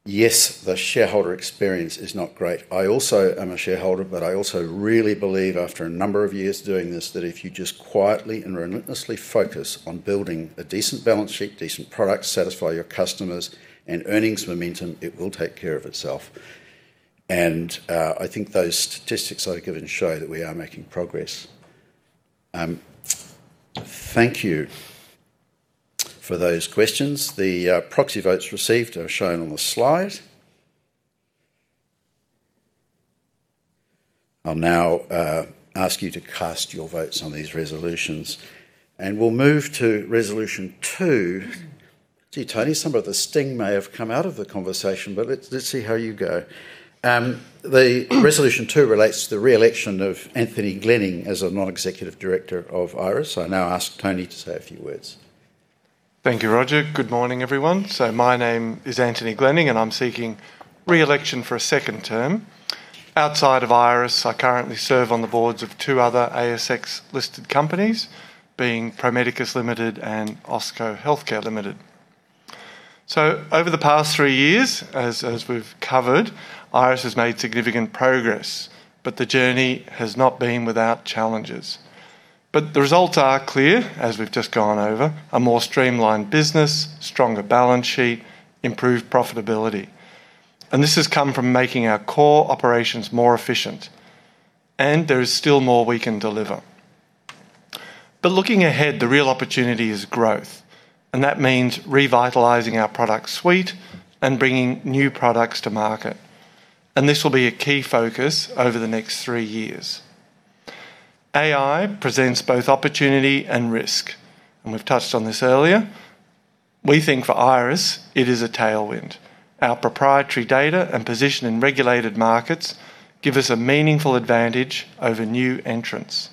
yes, the shareholder experience is not great. I also am a shareholder, but I also really believe after a number of years doing this, that if you just quietly and relentlessly focus on building a decent balance sheet, decent products, satisfy your customers, and earnings momentum, it will take care of itself. I think those statistics I've given show that we are making progress. Thank you for those questions. The proxy votes received are shown on the slide. I'll now ask you to cast your votes on these resolutions. We'll move to resolution two. Gee, Tony, some of the sting may have come out of the conversation, but let's see how you go. Resolution two relates to the re-election of Anthony Glenning as a non-executive director of Iress. I now ask Tony to say a few words. Thank you, Roger. Good morning, everyone. My name is Anthony Glenning, and I'm seeking re-election for a second term. Outside of Iress, I currently serve on the boards of two other ASX listed companies, being Pro Medicus Limited and Austco Healthcare Limited. Over the past three years, as we've covered, Iress has made significant progress, but the journey has not been without challenges. The results are clear, as we've just gone over, a more streamlined business, stronger balance sheet, improved profitability. This has come from making our core operations more efficient. There is still more we can deliver. Looking ahead, the real opportunity is growth, and that means revitalizing our product suite and bringing new products to market. This will be a key focus over the next three years. AI presents both opportunity and risk, and we've touched on this earlier. We think for Iress, it is a tailwind. Our proprietary data and position in regulated markets give us a meaningful advantage over new entrants.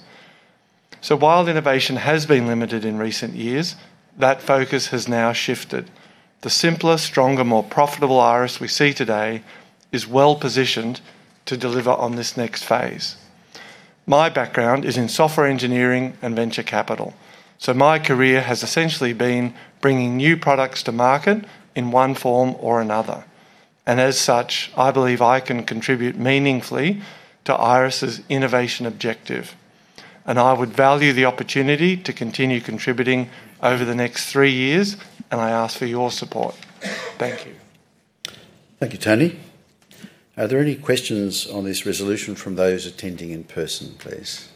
While innovation has been limited in recent years, that focus has now shifted. The simpler, stronger, more profitable Iress we see today. is well-positioned to deliver on this next phase. My background is in software engineering and venture capital. My career has essentially been bringing new products to market in one form or another. As such, I believe I can contribute meaningfully to Iress's innovation objective, and I would value the opportunity to continue contributing over the next three years, and I ask for your support. Thank you. Thank you, Tony. Are there any questions on this resolution from those attending in person, please?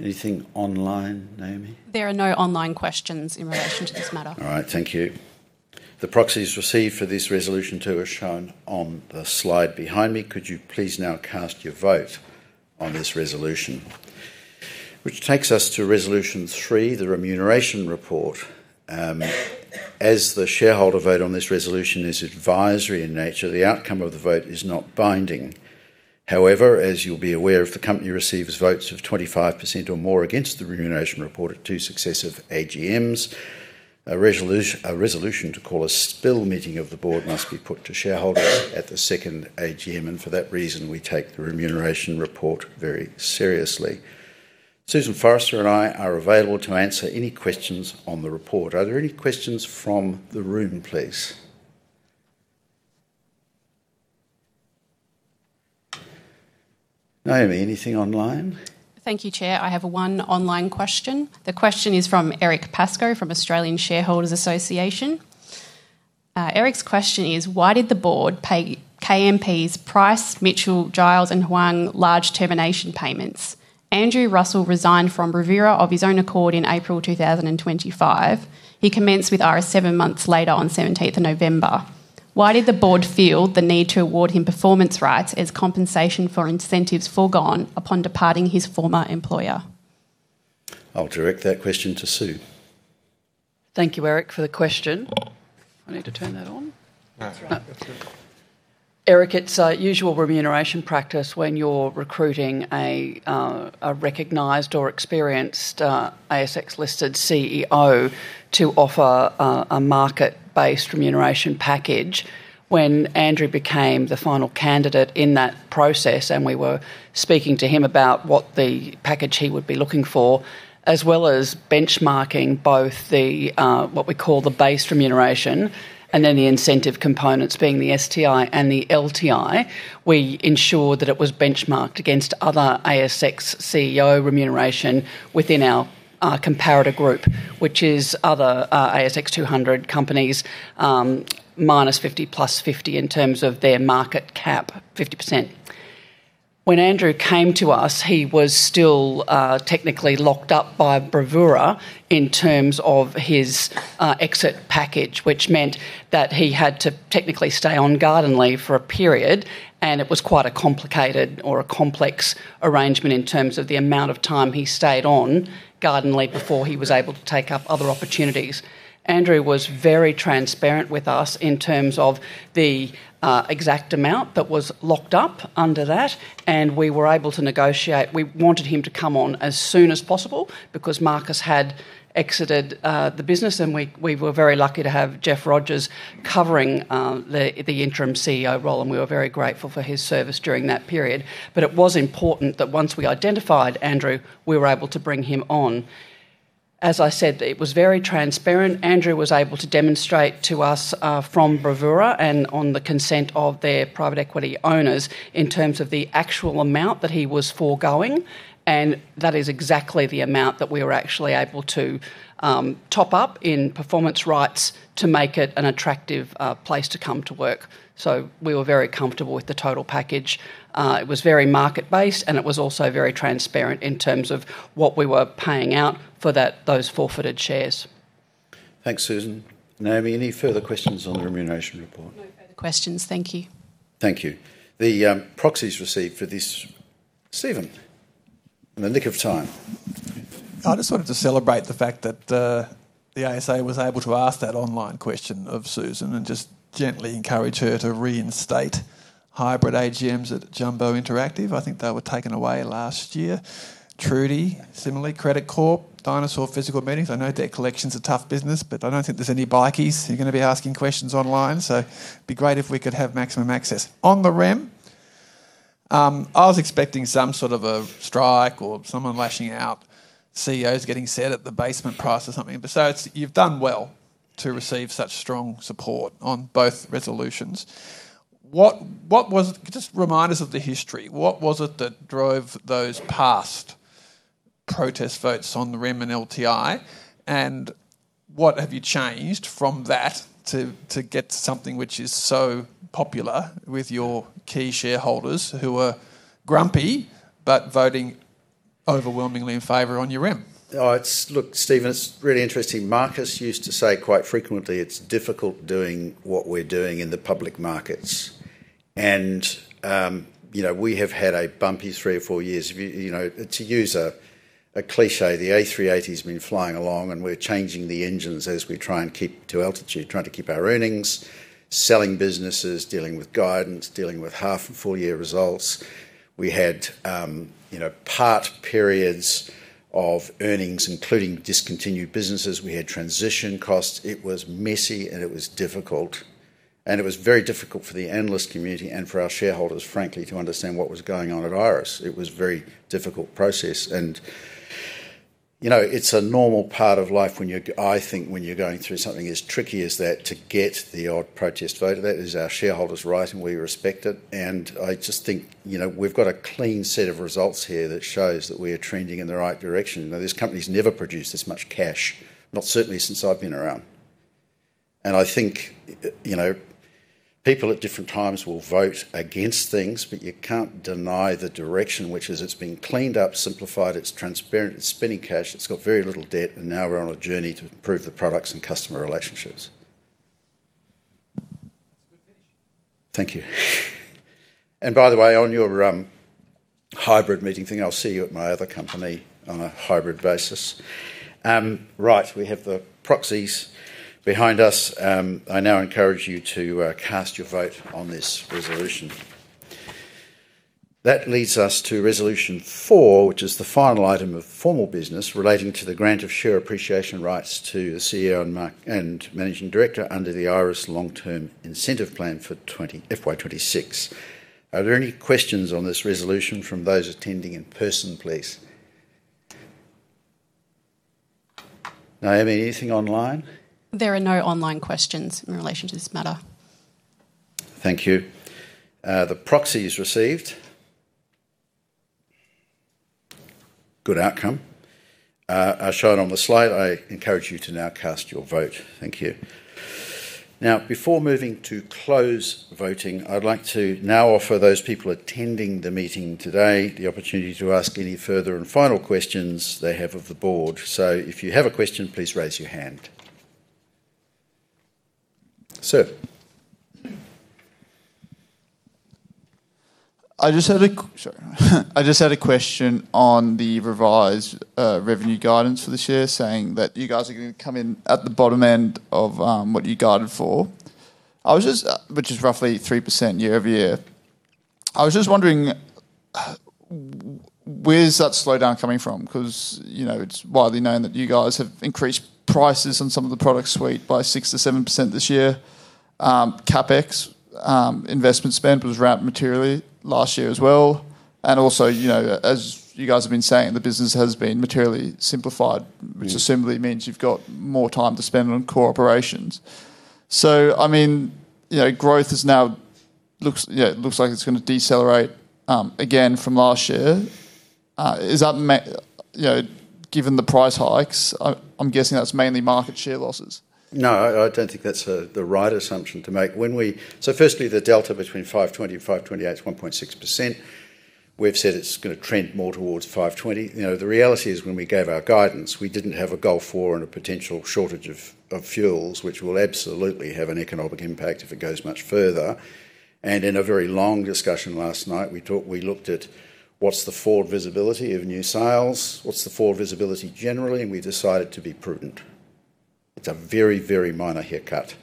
Anything online, Naomi? There are no online questions in relation to this matter. All right, thank you. The proxies received for this resolution two are shown on the slide behind me. Could you please now cast your vote on this resolution? Which takes us to resolution three, the Remuneration Report. As the shareholder vote on this resolution is advisory in nature, the outcome of the vote is not binding. However, as you'll be aware, if the company receives votes of 25% or more against the remuneration report at two successive AGMs, a resolution to call a spill meeting of the board must be put to shareholders at the second AGM, and for that reason, we take the remuneration report very seriously. Susan Forrester and I are available to answer any questions on the report. Are there any questions from the room, please? Naomi, anything online? Thank you, Chair. I have one online question. The question is from Eric Pascoe from Australian Shareholders' Association. Eric's question is: Why did the board pay KMP's Price, Mitchell, Giles, and Huang large termination payments? Andrew Russell resigned from Bravura of his own accord in April 2025. He commenced with Iress seven months later on 17th November. Why did the board feel the need to award him performance rights as compensation for incentives forgone upon departing his former employer? I'll direct that question to Sue. Thank you, Eric, for the question. I need to turn that on. That's all right. That's good. Eric, it's usual remuneration practice when you're recruiting a recognized or experienced ASX-listed CEO to offer a market-based remuneration package. When Andrew became the final candidate in that process, and we were speaking to him about what the package he would be looking for, as well as benchmarking both the, what we call the base remuneration and then the incentive components, being the STI and the LTI, we ensured that it was benchmarked against other ASX CEO remuneration within our comparator group, which is other ASX 200 companies, -50, +50 in terms of their market cap, 50%. When Andrew came to us, he was still technically locked up by Bravura in terms of his exit package, which meant that he had to technically stay on garden leave for a period, and it was quite a complicated or a complex arrangement in terms of the amount of time he stayed on garden leave before he was able to take up other opportunities. Andrew was very transparent with us in terms of the exact amount that was locked up under that, and we were able to negotiate. We wanted him to come on as soon as possible because Marcus had exited the business, and we were very lucky to have Geoff Rogers covering the interim CEO role, and we were very grateful for his service during that period. It was important that once we identified Andrew, we were able to bring him on. As I said, it was very transparent. Andrew was able to demonstrate to us, from Bravura, and on the consent of their private equity owners, in terms of the actual amount that he was foregoing, and that is exactly the amount that we were actually able to top up in performance rights to make it an attractive place to come to work. We were very comfortable with the total package. It was very market-based, and it was also very transparent in terms of what we were paying out for those forfeited shares. Thanks, Susan. Naomi, any further questions on the Remuneration Report? No further questions. Thank you. Thank you. The proxies received for this. Stephen, in the nick of time. I just wanted to celebrate the fact that the ASA was able to ask that online question of Susan and just gently encourage her to reinstate hybrid AGMs at Jumbo Interactive. I think they were taken away last year. Trudy, similarly, Credit Corp, dinosaur physical meetings. I know debt collection's a tough business, but I don't think there's any bikies who are going to be asking questions online, so it'd be great if we could have maximum access. On the rem, I was expecting some sort of a strike or someone lashing out, CEOs getting sad at the basement price or something. You've done well to receive such strong support on both resolutions. Just remind us of the history. What was it that drove those past protest votes on the rem and LTI, and what have you changed from that to get something which is so popular with your key shareholders who are grumpy but voting overwhelmingly in favor on your rem? Oh, look, Stephen, it's really interesting. Marcus used to say quite frequently, "It's difficult doing what we're doing in the public markets." We have had a bumpy three or four years. To use a cliché, the A380's been flying along, and we're changing the engines as we try and keep the altitude, trying to keep our earnings, selling businesses, dealing with guidance, dealing with half and full-year results. We had reported periods of earnings, including discontinued businesses. We had transition costs. It was messy, and it was difficult. It was very difficult for the analyst community and for our shareholders, frankly, to understand what was going on at Iress. It was a very difficult process. It's a normal part of life, I think, when you're going through something as tricky as that, to get the odd protest vote. That is our shareholders' right, and we respect it. I just think, we've got a clean set of results here that shows that we are trending in the right direction. This company's never produced this much cash, not certainly since I've been around. I think, people at different times will vote against things, but you can't deny the direction, which is it's been cleaned up, simplified, it's transparent, it's spinning cash, it's got very little debt, and now we're on a journey to improve the products and customer relationships. Thank you. By the way, on your hybrid meeting thing, I'll see you at my other company on a hybrid basis. Right. We have the proxies behind us. I now encourage you to cast your vote on this resolution. That leads us to resolution 4, which is the final item of formal business relating to the grant of share appreciation rights to the CEO and Managing Director under the Iress Long Term Incentive Plan for FY 2026. Are there any questions on this resolution from those attending in person, please? Naomi, anything online? There are no online questions in relation to this matter. Thank you. The proxy is received. Good outcome. As shown on the slide, I encourage you to now cast your vote. Thank you. Now, before moving to close voting, I'd like to now offer those people attending the meeting today the opportunity to ask any further and final questions they have of the board. If you have a question, please raise your hand. Sir. I just had a question on the revised revenue guidance for this year, saying that you guys are going to come in at the bottom end of what you guided for, which is roughly 3% year-over-year. I was just wondering where's that slowdown coming from? Because it's widely known that you guys have increased prices on some of the product suite by 6%-7% this year. CapEx, investment spend was ramped materially last year as well. Also, as you guys have been saying, the business has been materially simplified, which presumably means you've got more time to spend on corporations. Growth looks like it's going to decelerate again from last year. Given the price hikes, I'm guessing that's mainly market share losses. No, I don't think that's the right assumption to make. Firstly, the delta between 520 and 528 is 1.6%. We've said it's going to trend more towards 520. The reality is when we gave our guidance, we didn't have a Gulf War and a potential shortage of fuels, which will absolutely have an economic impact if it goes much further. In a very long discussion last night, we looked at what's the forward visibility of new sales, what's the forward visibility generally, and we decided to be prudent. It's a very, very minor haircut.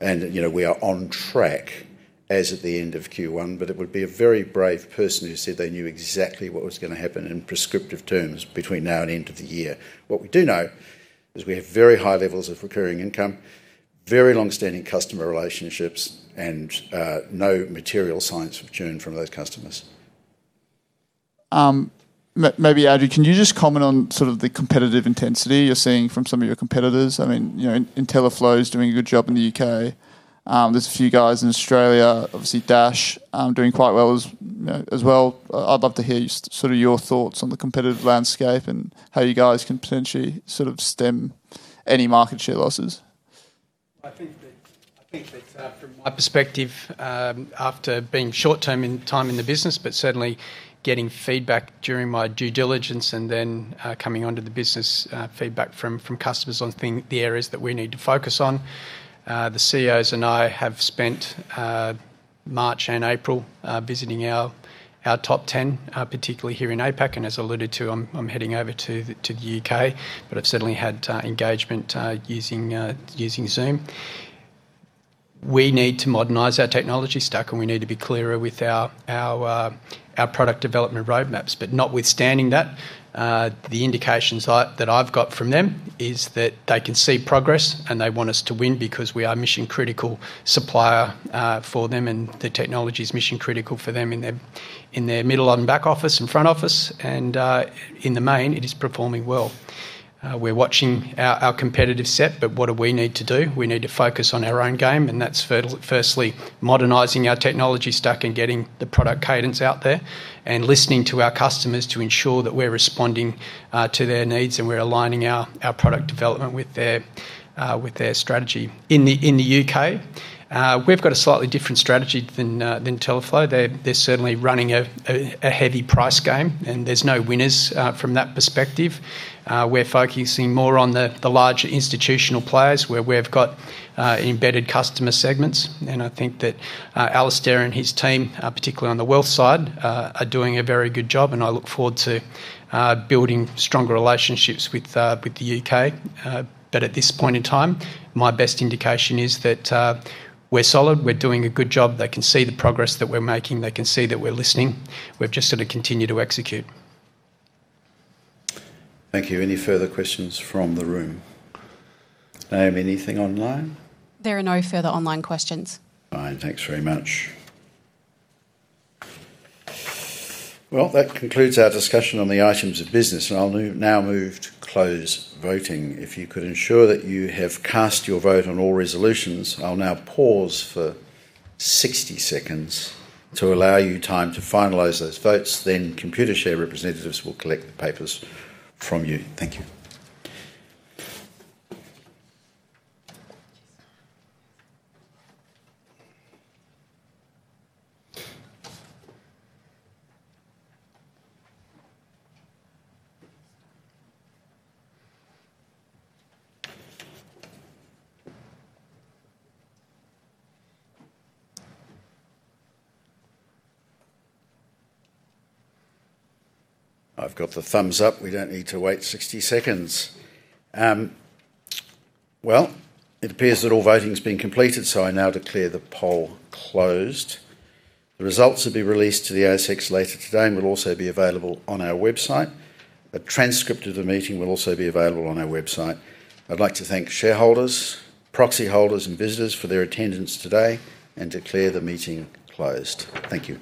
We are on track as of the end of Q1, but it would be a very brave person who said they knew exactly what was going to happen in prescriptive terms between now and end of the year. What we do know is we have very high levels of recurring income, very long-standing customer relationships, and no material signs of churn from those customers. Maybe, Andrew, can you just comment on sort of the competitive intensity you're seeing from some of your competitors? IntelliFlo's doing a good job in the U.K. There's a few guys in Australia. Obviously Dash doing quite well as well. I'd love to hear your thoughts on the competitive landscape and how you guys can potentially stem any market share losses. I think that from my perspective, after being a short time in the business, but certainly getting feedback during my due diligence and then coming onto the business, feedback from customers on the areas that we need to focus on. The CEOs and I have spent March and April visiting our top 10, particularly here in APAC, and as I alluded to, I'm heading over to the U.K., but I've certainly had engagement using Zoom. We need to modernize our technology stack, and we need to be clearer with our product development roadmaps. Notwithstanding that, the indications that I've got from them is that they can see progress, and they want us to win because we are a mission-critical supplier for them, and the technology's mission-critical for them in their middle and back office and front office. In the main, it is performing well. We're watching our competitive set, but what do we need to do? We need to focus on our own game, and that's firstly modernizing our technology stack and getting the product cadence out there and listening to our customers to ensure that we're responding to their needs and we're aligning our product development with their strategy. In the U.K., we've got a slightly different strategy than IntelliFlo. They're certainly running a heavy price game, and there's no winners from that perspective. We're focusing more on the larger institutional players, where we've got embedded customer segments. I think that Alistair and his team, particularly on the wealth side, are doing a very good job, and I look forward to building stronger relationships with the U.K. At this point in time, my best indication is that we're solid. We're doing a good job. They can see the progress that we're making. They can see that we're listening. We've just got to continue to execute. Thank you. Any further questions from the room? Naomi, anything online? There are no further online questions. Fine. Thanks very much. Well, that concludes our discussion on the items of business, and I'll now move to close voting. If you could ensure that you have cast your vote on all resolutions, I'll now pause for 60 seconds to allow you time to finalize those votes. Then Computershare representatives will collect the papers from you. Thank you. I've got the thumbs up. We don't need to wait 60 seconds. Well, it appears that all voting's been completed, so I now declare the poll closed. The results will be released to the ASX later today and will also be available on our website. A transcript of the meeting will also be available on our website. I'd like to thank shareholders, proxy holders, and visitors for their attendance today and declare the meeting closed. Thank you.